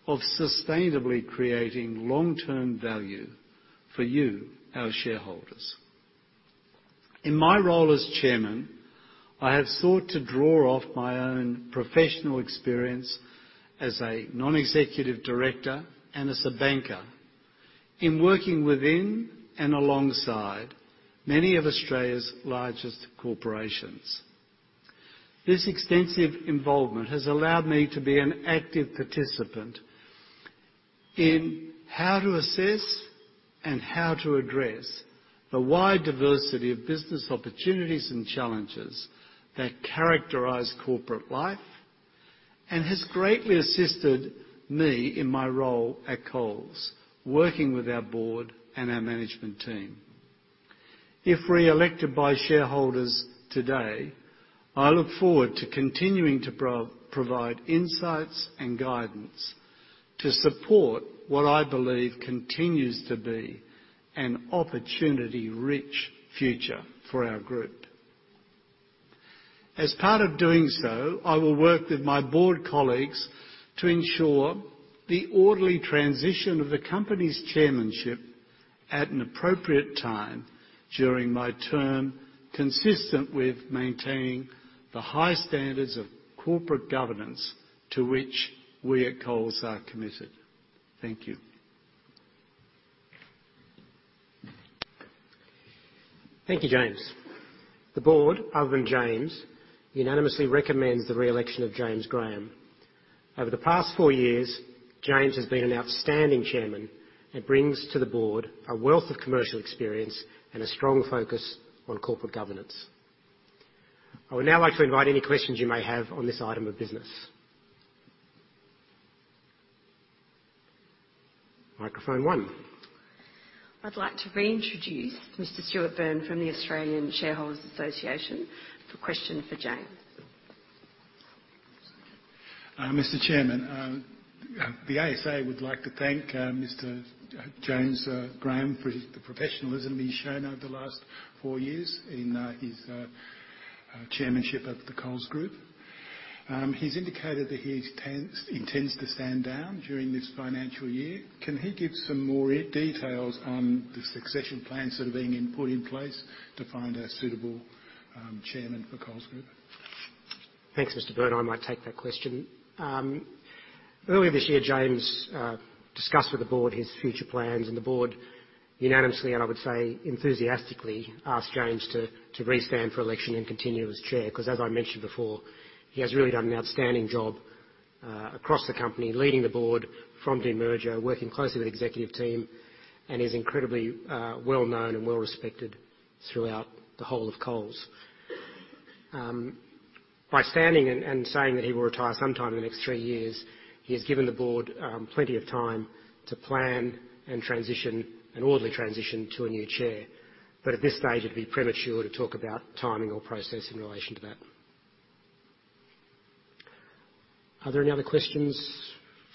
of sustainably creating long-term value for you, our shareholders. In my role as Chairman, I have sought to draw off my own professional experience as a non-executive director and as a banker in working within and alongside many of Australia's largest corporations. This extensive involvement has allowed me to be an active participant in how to assess and how to address the wide diversity of business opportunities and challenges that characterize corporate life, and has greatly assisted me in my role at Coles, working with our board and our management team. If reelected by shareholders today, I look forward to continuing to provide insights and guidance to support what I believe continues to be an opportunity-rich future for our group. As part of doing so, I will work with my board colleagues to ensure the orderly transition of the company's chairmanship at an appropriate time during my term, consistent with maintaining the high standards of corporate governance to which we at Coles are committed. Thank you. Thank you, James. The board, other than James, unanimously recommends the reelection of James Graham. Over the past four years, James has been an outstanding chairman and brings to the board a wealth of commercial experience and a strong focus on corporate governance. I would now like to invite any questions you may have on this item of business. Microphone one. I'd like to reintroduce Mr. Stuart Burns from the Australian Shareholders' Association. A question for James. Mr. Chairman, the ASA would like to thank Mr. James Graham for the professionalism he's shown over the last four years in his chairmanship of the Coles Group. He's indicated that he intends to stand down during this financial year. Can he give some more details on the succession plans that are being put in place to find a suitable chairman for Coles Group? Thanks, Mr. Burn. I might take that question. Early this year, James discussed with the board his future plans, and the board unanimously, and I would say enthusiastically, asked James to re-stand for election and continue as chair, because as I mentioned before, he has really done an outstanding job across the company, leading the board from demerger, working closely with executive team, and is incredibly well-known and well-respected throughout the whole of Coles. By standing and saying that he will retire sometime in the next three years, he has given the board plenty of time to plan and transition an orderly transition to a new chair. But at this stage, it'd be premature to talk about timing or process in relation to that. Are there any other questions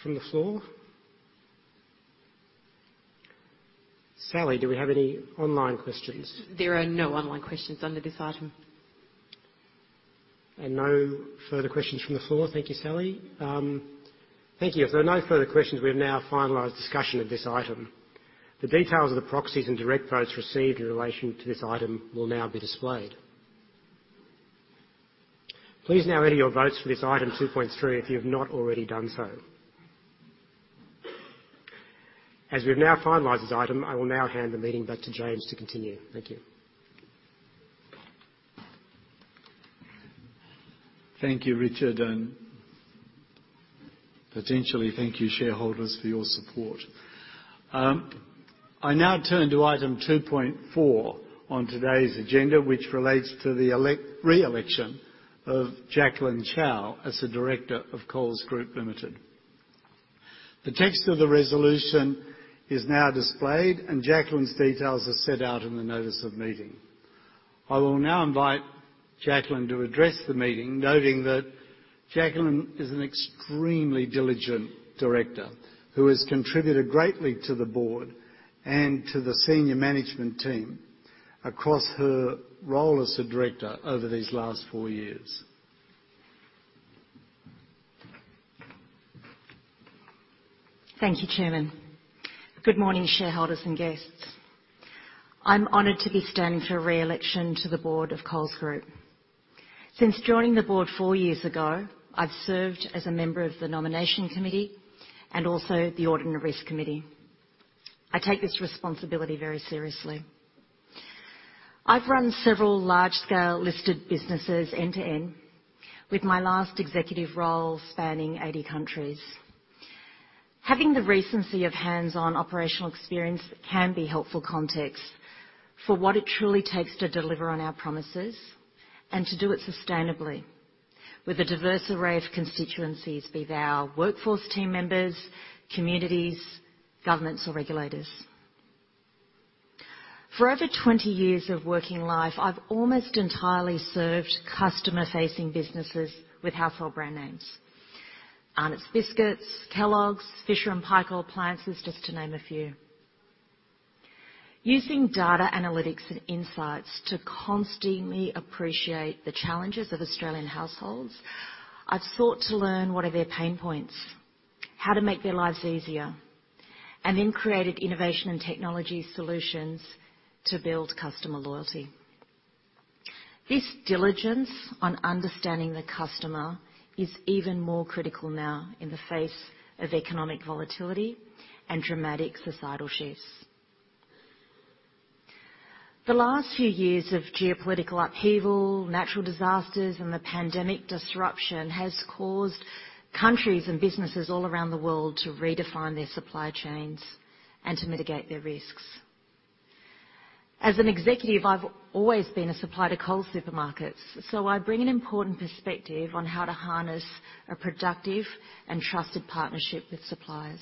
from the floor? Sally, do we have any online questions? There are no online questions under this item. No further questions from the floor. Thank you, Sally. Thank you. If there are no further questions, we have now finalized discussion of this item. The details of the proxies and direct votes received in relation to this item will now be displayed. Please now enter your votes for this item 2.3 if you have not already done so. As we've now finalized this item, I will now hand the meeting back to James to continue. Thank you. Thank you, Richard, and potentially thank you, shareholders, for your support. I now turn to item 2.4 on today's agenda, which relates to the reelection of Jacqueline Chow as a director of Coles Group Limited. The text of the resolution is now displayed, and Jacqueline's details are set out in the notice of meeting. I will now invite Jacqueline to address the meeting, noting that Jacqueline is an extremely diligent director who has contributed greatly to the board and to the senior management team across her role as a director over these last four years. Thank you, Chairman. Good morning, shareholders and guests. I'm honored to be standing for reelection to the board of Coles Group. Since joining the board 4 years ago, I've served as a member of the Nomination Committee and also the Audit and Risk Committee. I take this responsibility very seriously. I've run several large-scale listed businesses end-to-end, with my last executive role spanning 80 countries. Having the recency of hands-on operational experience can be helpful context for what it truly takes to deliver on our promises and to do it sustainably with a diverse array of constituencies, be they our workforce team members, communities, governments or regulators. For over 20 years of working life, I've almost entirely served customer-facing businesses with household brand names. Arnott's Biscuits, Kellogg's, Fisher & Paykel Appliances, just to name a few. Using data analytics and insights to constantly appreciate the challenges of Australian households, I've sought to learn what are their pain points, how to make their lives easier, and then created innovation and technology solutions to build customer loyalty. This diligence on understanding the customer is even more critical now in the face of economic volatility and dramatic societal shifts. The last few years of geopolitical upheaval, natural disasters, and the pandemic disruption has caused countries and businesses all around the world to redefine their supply chains and to mitigate their risks. As an executive, I've always been a supplier to Coles Supermarkets, so I bring an important perspective on how to harness a productive and trusted partnership with suppliers.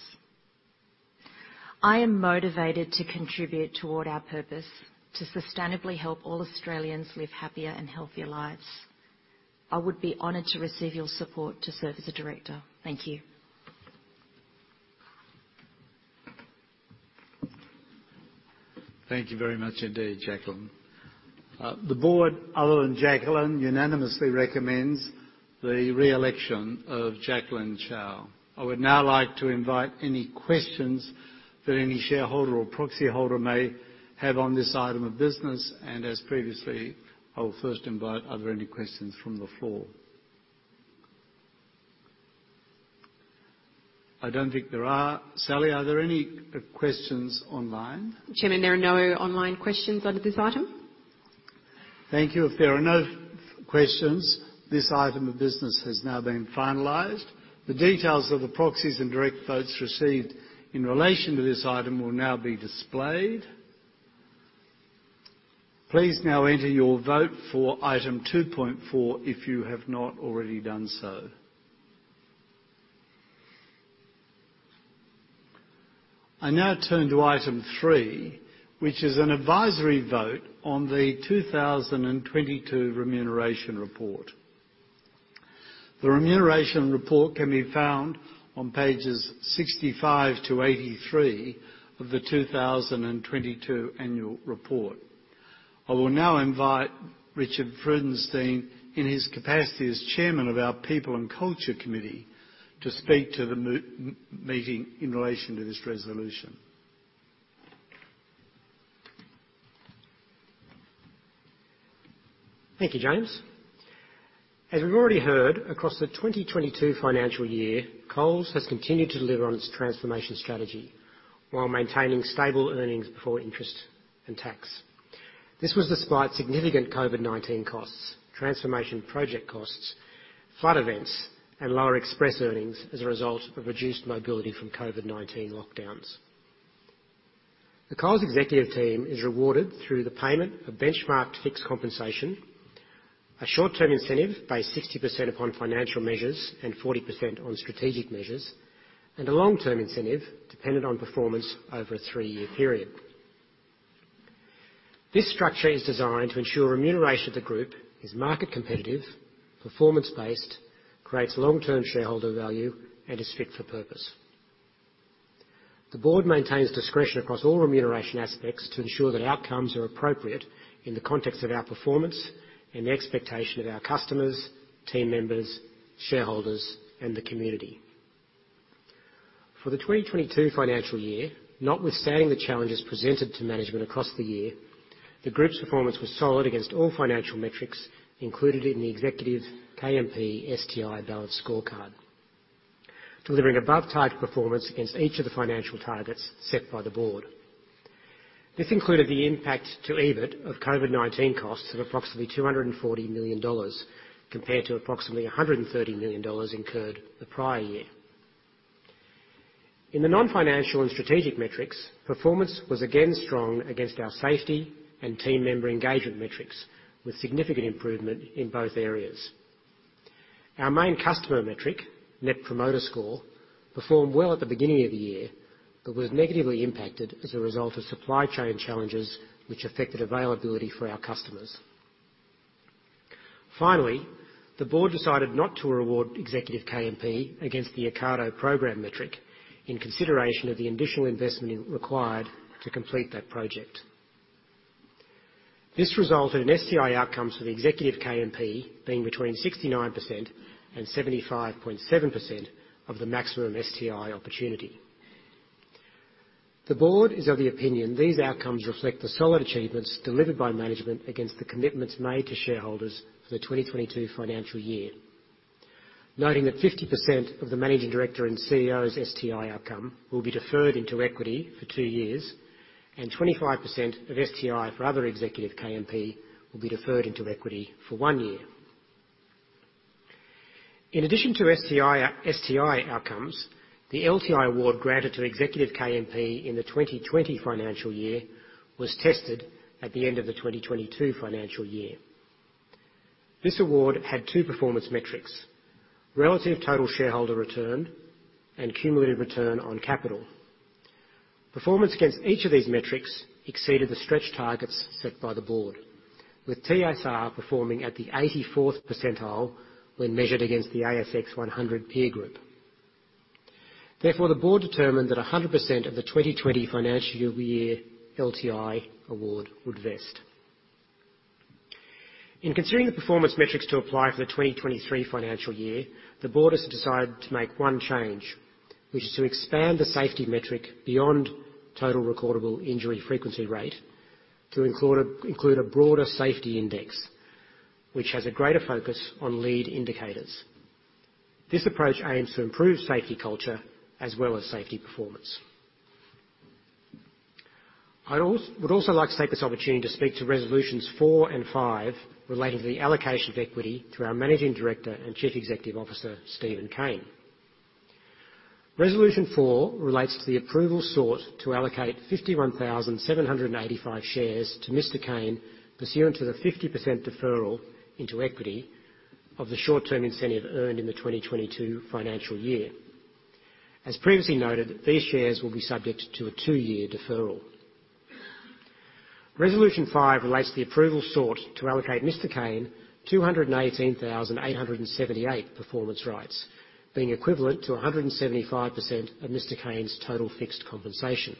I am motivated to contribute toward our purpose, to sustainably help all Australians live happier and healthier lives. I would be honored to receive your support to serve as a director. Thank you. Thank you very much indeed, Jacqueline. The board, other than Jacqueline, unanimously recommends the re-election of Jacqueline Chow. I would now like to invite any questions that any shareholder or proxy holder may have on this item of business, and as previously, I will first invite, are there any questions from the floor? I don't think there are. Sally, are there any questions online? Chairman, there are no online questions under this item. Thank you. If there are no questions, this item of business has now been finalized. The details of the proxies and direct votes received in relation to this item will now be displayed. Please now enter your vote for item 2.4 if you have not already done so. I now turn to item three, which is an advisory vote on the 2022 remuneration report. The remuneration report can be found on pages 65 to 83 of the 2022 annual report. I will now invite Richard Freudenstein in his capacity as Chairman of our People and Culture Committee to speak to the meeting in relation to this resolution. Thank you, James. As we've already heard, across the 2022 financial year, Coles has continued to deliver on its transformation strategy while maintaining stable earnings before interest and tax. This was despite significant COVID-19 costs, transformation project costs, flood events, and lower Express earnings as a result of reduced mobility from COVID-19 lockdowns. The Coles executive team is rewarded through the payment of benchmarked fixed compensation, a short-term incentive based 60% upon financial measures and 40% on strategic measures, and a long-term incentive dependent on performance over a 3-year period. This structure is designed to ensure remuneration of the group is market competitive, performance-based, creates long-term shareholder value, and is fit for purpose. The board maintains discretion across all remuneration aspects to ensure that outcomes are appropriate in the context of our performance and the expectation of our customers, team members, shareholders, and the community. For the 2022 financial year, notwithstanding the challenges presented to management across the year, the group's performance was solid against all financial metrics included in the executive KMP STI balanced scorecard, delivering above-target performance against each of the financial targets set by the board. This included the impact to EBIT of COVID-19 costs of approximately 240 million dollars compared to approximately 130 million dollars incurred the prior year. In the non-financial and strategic metrics, performance was again strong against our safety and team member engagement metrics, with significant improvement in both areas. Our main customer metric, Net Promoter Score, performed well at the beginning of the year, but was negatively impacted as a result of supply chain challenges which affected availability for our customers. Finally, the board decided not to award executive KMP against the Ocado program metric in consideration of the additional investment required to complete that project. This resulted in STI outcomes for the executive KMP being between 69% and 75.7% of the maximum STI opportunity. The board is of the opinion these outcomes reflect the solid achievements delivered by management against the commitments made to shareholders for the 2022 financial year, noting that 50% of the managing director and CEO's STI outcome will be deferred into equity for 2 years and 25% of STI for other executive KMP will be deferred into equity for 1 year. In addition to STI outcomes, the LTI award granted to executive KMP in the 2020 financial year was tested at the end of the 2022 financial year. This award had two performance metrics, relative total shareholder return and cumulative return on capital. Performance against each of these metrics exceeded the stretch targets set by the board, with TSR performing at the 84th percentile when measured against the ASX 100 peer group. Therefore, the board determined that 100% of the 2020 financial year LTI award would vest. In considering the performance metrics to apply for the 2023 financial year, the board has decided to make one change, which is to expand the safety metric beyond Total Recordable Injury Frequency Rate to include a broader safety index, which has a greater focus on lead indicators. This approach aims to improve safety culture as well as safety performance. I would also like to take this opportunity to speak to resolutions 4 and 5 relating to the allocation of equity to our Managing Director and Chief Executive Officer, Steven Cain. Resolution 4 relates to the approval sought to allocate 51,785 shares to Mr. Cain pursuant to the 50% deferral into equity of the short-term incentive earned in the 2022 financial year. As previously noted, these shares will be subject to a 2-year deferral. Resolution 5 relates to the approval sought to allocate Mr. Cain 218,878 performance rights, being equivalent to 175% of Mr. Cain's total fixed compensation.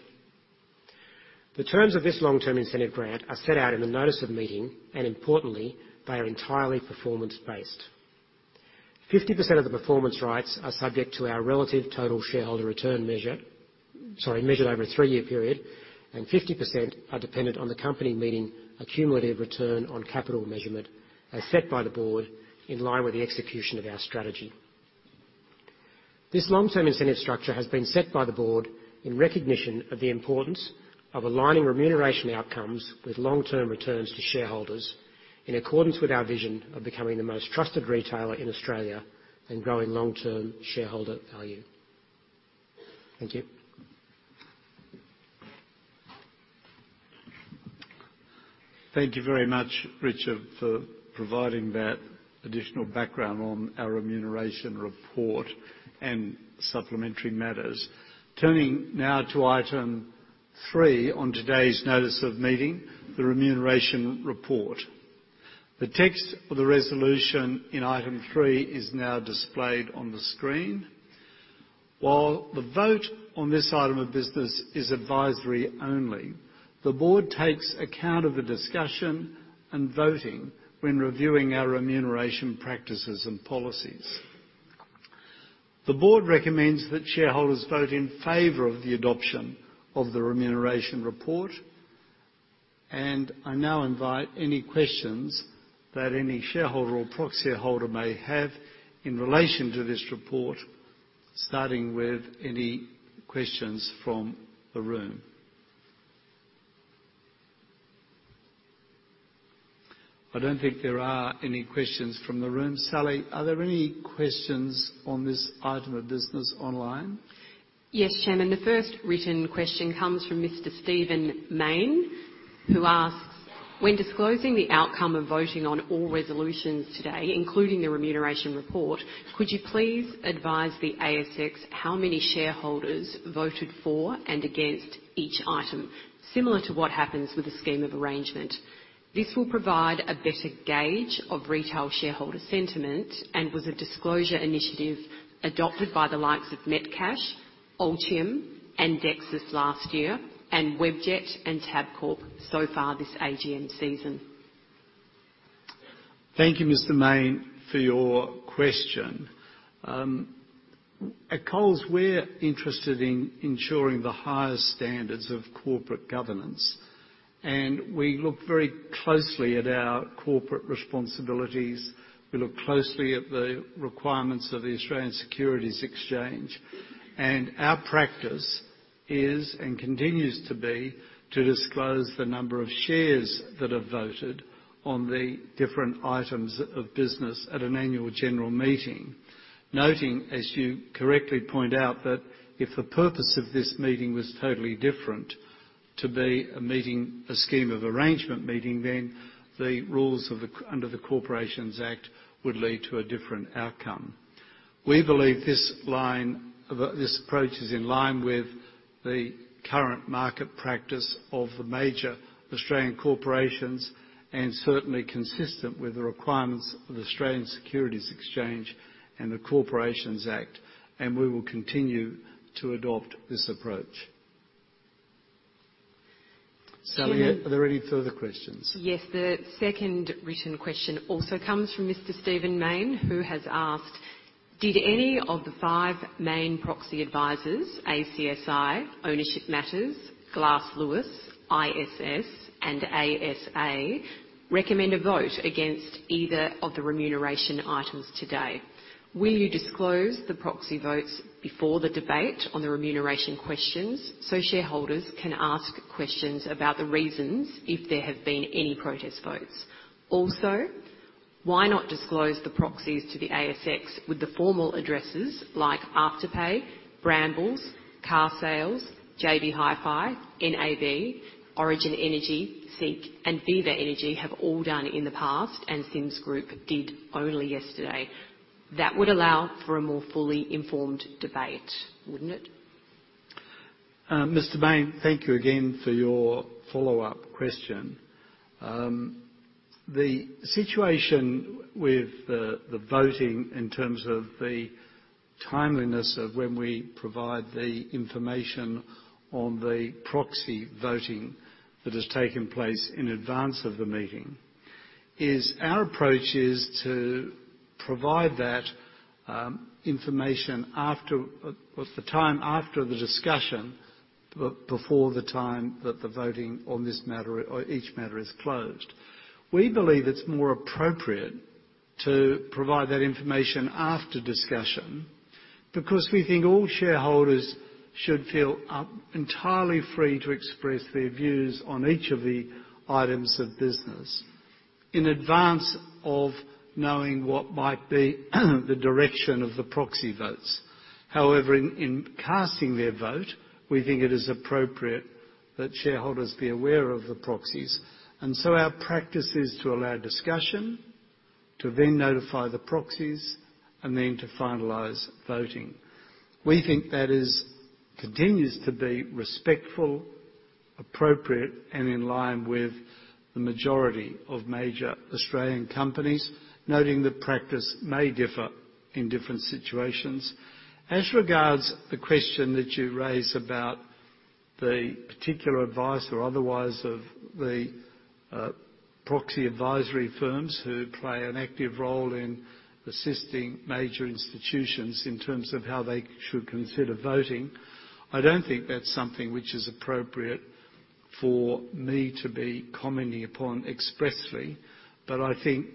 The terms of this long-term incentive grant are set out in the notice of meeting, and importantly, they are entirely performance-based. 50% of the performance rights are subject to our relative total shareholder return measured over a three-year period, and 50% are dependent on the company meeting a cumulative return on capital measurement as set by the board in line with the execution of our strategy. This long-term incentive structure has been set by the board in recognition of the importance of aligning remuneration outcomes with long-term returns to shareholders in accordance with our vision of becoming the most trusted retailer in Australia and growing long-term shareholder value. Thank you. Thank you very much, Richard, for providing that additional background on our remuneration report and supplementary matters. Turning now to item three on today's notice of meeting, the remuneration report. The text of the resolution in item three is now displayed on the screen. While the vote on this item of business is advisory only, the board takes account of the discussion and voting when reviewing our remuneration practices and policies. The board recommends that shareholders vote in favor of the adoption of the remuneration report, and I now invite any questions that any shareholder or proxy holder may have in relation to this report, starting with any questions from the room. I don't think there are any questions from the room. Sally, are there any questions on this item of business online? Yes, Chairman. The first written question comes from Mr. Stephen Mayne, who asks, "When disclosing the outcome of voting on all resolutions today, including the remuneration report, could you please advise the ASX how many shareholders voted for and against each item, similar to what happens with a scheme of arrangement? This will provide a better gauge of retail shareholder sentiment and was a disclosure initiative adopted by the likes of Metcash, Altium, and Dexus last year, and Webjet and Tabcorp so far this AGM season. Thank you, Mr. Mayne, for your question. At Coles, we're interested in ensuring the highest standards of corporate governance, and we look very closely at our corporate responsibilities. We look closely at the requirements of the Australian Securities Exchange. Our practice is, and continues to be, to disclose the number of shares that have voted on the different items of business at an annual general meeting. Noting, as you correctly point out, that if the purpose of this meeting was totally different to be a meeting, a scheme of arrangement meeting, then the rules under the Corporations Act would lead to a different outcome. We believe this approach is in line with the current market practice of the major Australian corporations, and certainly consistent with the requirements of the Australian Securities Exchange and the Corporations Act, and we will continue to adopt this approach. Chairman- Sally, are there any further questions? Yes. The second written question also comes from Mr. Stephen Mayne, who has asked, "Did any of the five main proxy advisors, ACSI, Ownership Matters, Glass Lewis, ISS, and ASA, recommend a vote against either of the remuneration items today? Will you disclose the proxy votes before the debate on the remuneration questions so shareholders can ask questions about the reasons if there have been any protest votes? Also, why not disclose the proxies to the ASX with the formal addresses like Afterpay, Brambles, Carsales, JB Hi-Fi, NAB, Origin Energy, SEEK, and Viva Energy have all done in the past and Sims Limited did only yesterday? That would allow for a more fully informed debate, wouldn't it? Mr. Mayne, thank you again for your follow-up question. The situation with the voting in terms of the timeliness of when we provide the information on the proxy voting that has taken place in advance of the meeting is our approach to provide that information after the time after the discussion before the time that the voting on this matter or each matter is closed. We believe it's more appropriate to provide that information after discussion because we think all shareholders should feel entirely free to express their views on each of the items of business in advance of knowing what might be the direction of the proxy votes. However, in casting their vote, we think it is appropriate that shareholders be aware of the proxies. Our practice is to allow discussion, to then notify the proxies, and then to finalize voting. We think that is, continues to be respectful, appropriate, and in line with the majority of major Australian companies. Noting that practice may differ in different situations. As regards the question that you raised about the particular advice or otherwise of the proxy advisory firms who play an active role in assisting major institutions in terms of how they should consider voting, I don't think that's something which is appropriate for me to be commenting upon expressly. I think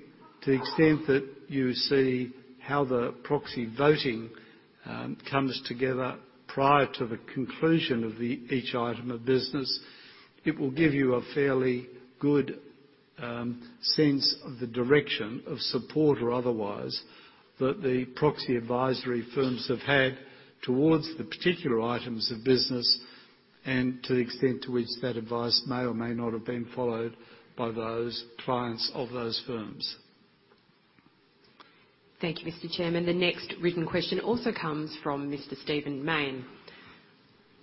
to the extent that you see how the proxy voting comes together prior to the conclusion of the each item of business, it will give you a fairly good sense of the direction of support or otherwise that the proxy advisory firms have had towards the particular items of business and to the extent to which that advice may or may not have been followed by those clients of those firms. Thank you, Mr. Chairman. The next written question also comes from Mr. Stephen Mayne.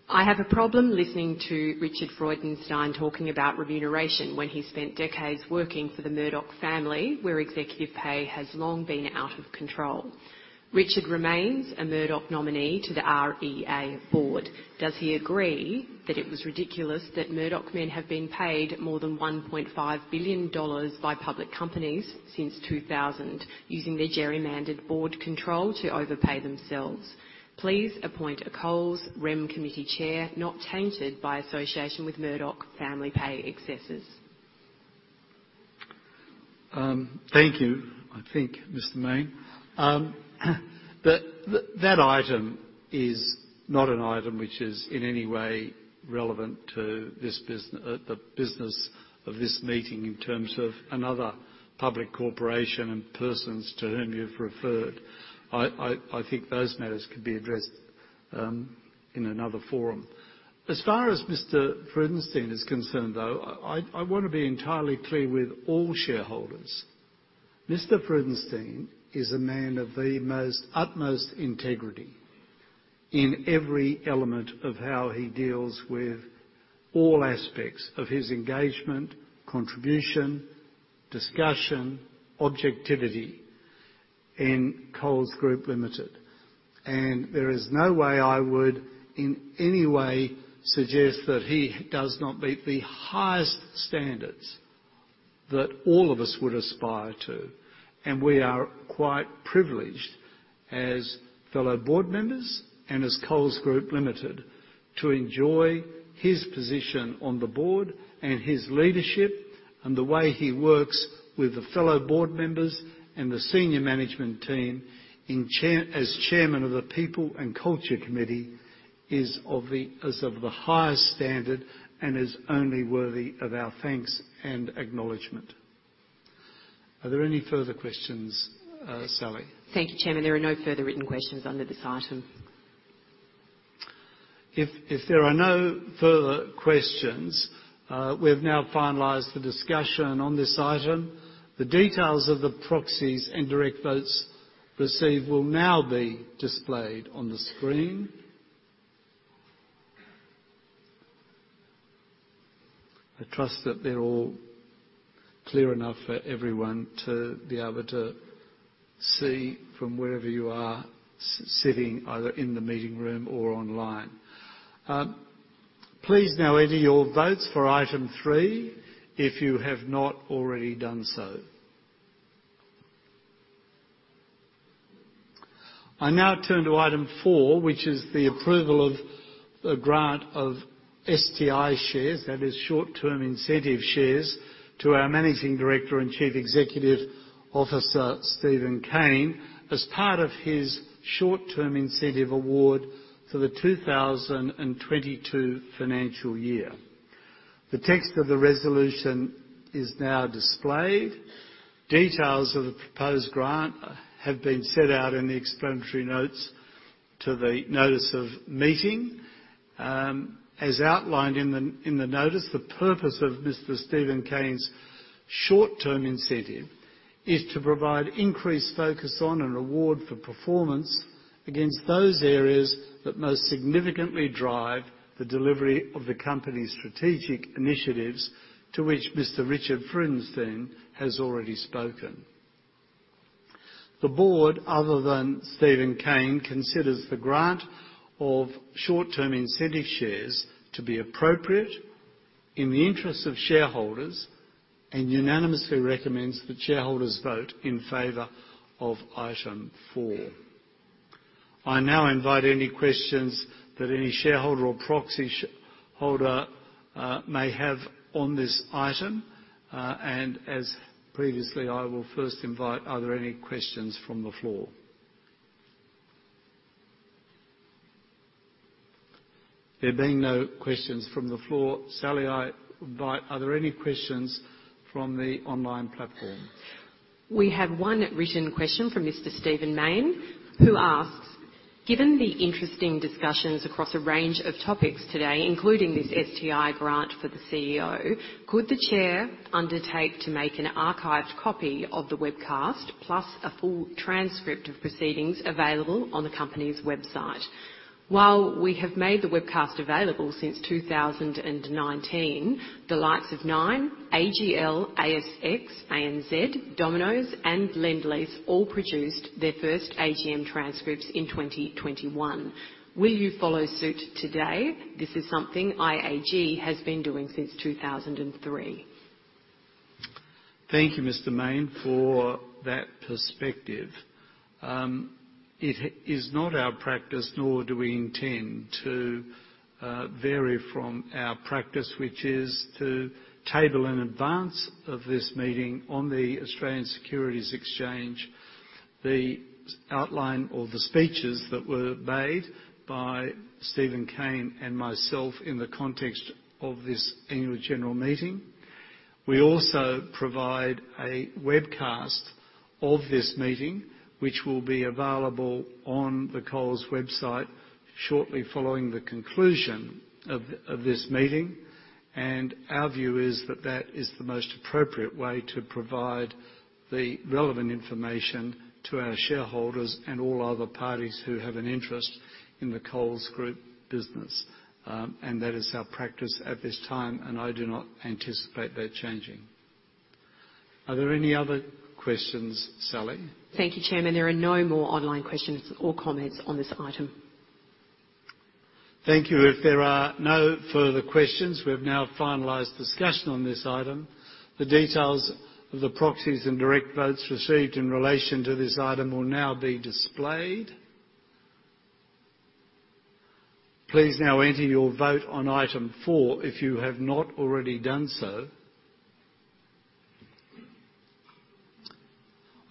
I have a problem listening to Richard Freudenstein talking about remuneration when he spent decades working for the Murdoch family, where executive pay has long been out of control. Richard remains a Murdoch nominee to the REA board. Does he agree that it was ridiculous that Murdoch men have been paid more than 1.5 billion dollars by public companies since 2000, using their gerrymandered board control to overpay themselves? Please appoint a Coles Rem Committee chair not tainted by association with Murdoch family pay excesses. Thank you, I think, Mr. Mayne. That item is not an item which is in any way relevant to the business of this meeting in terms of another public corporation and persons to whom you've referred. I think those matters could be addressed in another forum. As far as Mr. Freudenstein is concerned, though, I wanna be entirely clear with all shareholders. Mr. Freudenstein is a man of the most utmost integrity in every element of how he deals with all aspects of his engagement, contribution, discussion, objectivity in Coles Group Limited. There is no way I would, in any way, suggest that he does not meet the highest standards that all of us would aspire to. We are quite privileged, as fellow board members and as Coles Group Limited, to enjoy his position on the board and his leadership, and the way he works with the fellow board members and the senior management team as Chairman of the People and Culture Committee, is of the highest standard and is only worthy of our thanks and acknowledgement. Are there any further questions, Sally? Thank you, Chairman. There are no further written questions under this item. If there are no further questions, we've now finalized the discussion on this item. The details of the proxies and direct votes received will now be displayed on the screen. I trust that they're all clear enough for everyone to be able to see from wherever you are sitting, either in the meeting room or online. Please now enter your votes for item three if you have not already done so. I now turn to item four, which is the approval of the grant of STI shares, that is short-term incentive shares, to our Managing Director and Chief Executive Officer, Steven Cain, as part of his short-term incentive award for the 2022 financial year. The text of the resolution is now displayed. Details of the proposed grant have been set out in the explanatory notes to the notice of meeting. As outlined in the notice, the purpose of Mr. Steven Cain's short-term incentive is to provide increased focus on and award for performance against those areas that most significantly drive the delivery of the company's strategic initiatives, to which Mr. Richard Freudenstein has already spoken. The board, other than Steven Cain, considers the grant of short-term incentive shares to be appropriate in the interests of shareholders and unanimously recommends that shareholders vote in favor of item four. I now invite any questions that any shareholder or proxy shareholder may have on this item. As previously, I will first invite, are there any questions from the floor? There being no questions from the floor, Sally, I invite, are there any questions from the online platform? We have one written question from Mr. Stephen Mayne, who asks, "Given the interesting discussions across a range of topics today, including this STI grant for the CEO, could the Chair undertake to make an archived copy of the webcast, plus a full transcript of proceedings available on the company's website? While we have made the webcast available since 2019, the likes of Nine, AGL, ASX, ANZ, Domino's and Lendlease all produced their first AGM transcripts in 2021. Will you follow suit today? This is something IAG has been doing since 2003. Thank you, Mr. Mayne, for that perspective. It is not our practice, nor do we intend to vary from our practice, which is to table in advance of this meeting on the Australian Securities Exchange the outline or the speeches that were made by Steven Cain and myself in the context of this annual general meeting. We also provide a webcast of this meeting, which will be available on the Coles website shortly following the conclusion of this meeting. Our view is that that is the most appropriate way to provide the relevant information to our shareholders and all other parties who have an interest in the Coles Group business. That is our practice at this time, and I do not anticipate that changing. Are there any other questions, Sally? Thank you, Chairman. There are no more online questions or comments on this item. Thank you. If there are no further questions, we have now finalized discussion on this item. The details of the proxies and direct votes received in relation to this item will now be displayed. Please now enter your vote on item four if you have not already done so.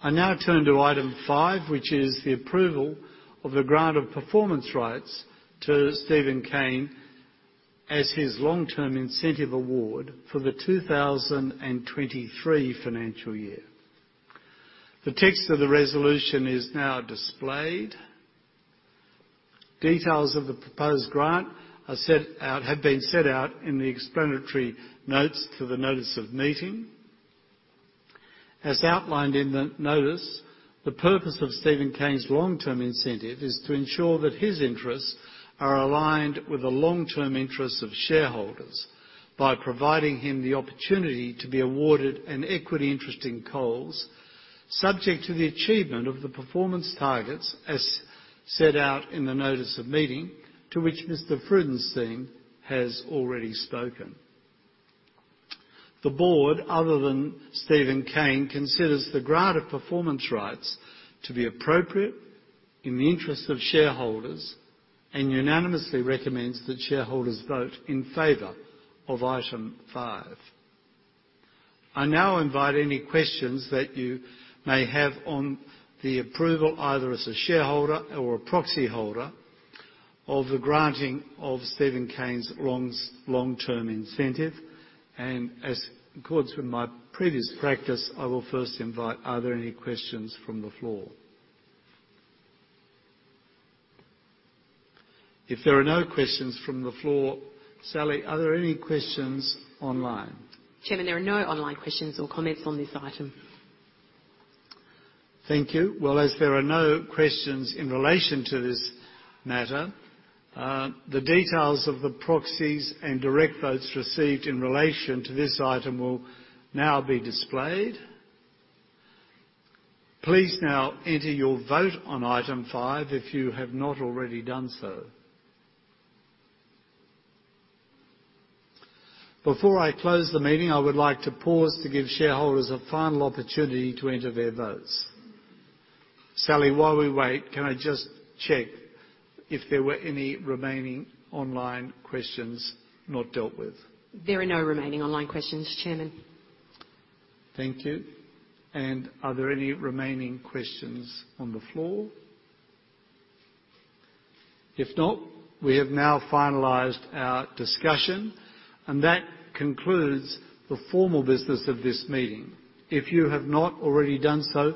I now turn to item five, which is the approval of the grant of performance rights to Steven Cain as his long-term incentive award for the 2023 financial year. The text of the resolution is now displayed. Details of the proposed grant have been set out in the explanatory notes to the notice of meeting. As outlined in the notice, the purpose of Steven Cain's long-term incentive is to ensure that his interests are aligned with the long-term interests of shareholders by providing him the opportunity to be awarded an equity interest in Coles, subject to the achievement of the performance targets, as set out in the notice of meeting to which Mr. Freudenstein has already spoken. The board, other than Steven Cain, considers the grant of performance rights to be appropriate in the interests of shareholders and unanimously recommends that shareholders vote in favor of item five. I now invite any questions that you may have on the approval, either as a shareholder or a proxy holder of the granting of Steven Cain's long-term incentive. In accordance with my previous practice, I will first invite. Are there any questions from the floor? If there are no questions from the floor, Sally, are there any questions online? Chairman, there are no online questions or comments on this item. Thank you. Well, as there are no questions in relation to this matter, the details of the proxies and direct votes received in relation to this item will now be displayed. Please now enter your vote on item 5 if you have not already done so. Before I close the meeting, I would like to pause to give shareholders a final opportunity to enter their votes. Sally, while we wait, can I just check if there were any remaining online questions not dealt with? There are no remaining online questions, Chairman. Thank you. Are there any remaining questions on the floor? If not, we have now finalized our discussion, and that concludes the formal business of this meeting. If you have not already done so,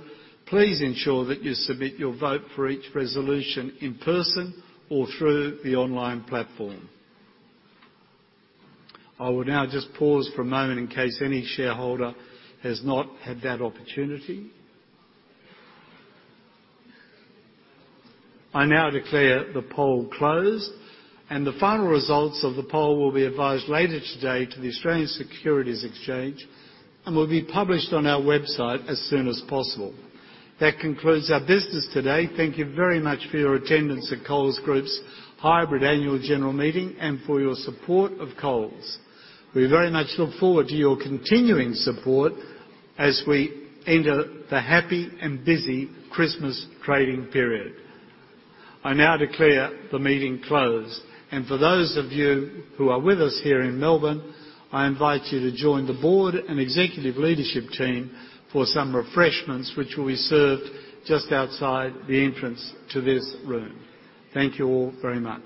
please ensure that you submit your vote for each resolution in person or through the online platform. I will now just pause for a moment in case any shareholder has not had that opportunity. I now declare the poll closed, and the final results of the poll will be advised later today to the Australian Securities Exchange and will be published on our website as soon as possible. That concludes our business today. Thank you very much for your attendance at Coles Group's hybrid annual general meeting and for your support of Coles. We very much look forward to your continuing support as we enter the happy and busy Christmas trading period. I now declare the meeting closed. For those of you who are with us here in Melbourne, I invite you to join the board and executive leadership team for some refreshments, which will be served just outside the entrance to this room. Thank you all very much.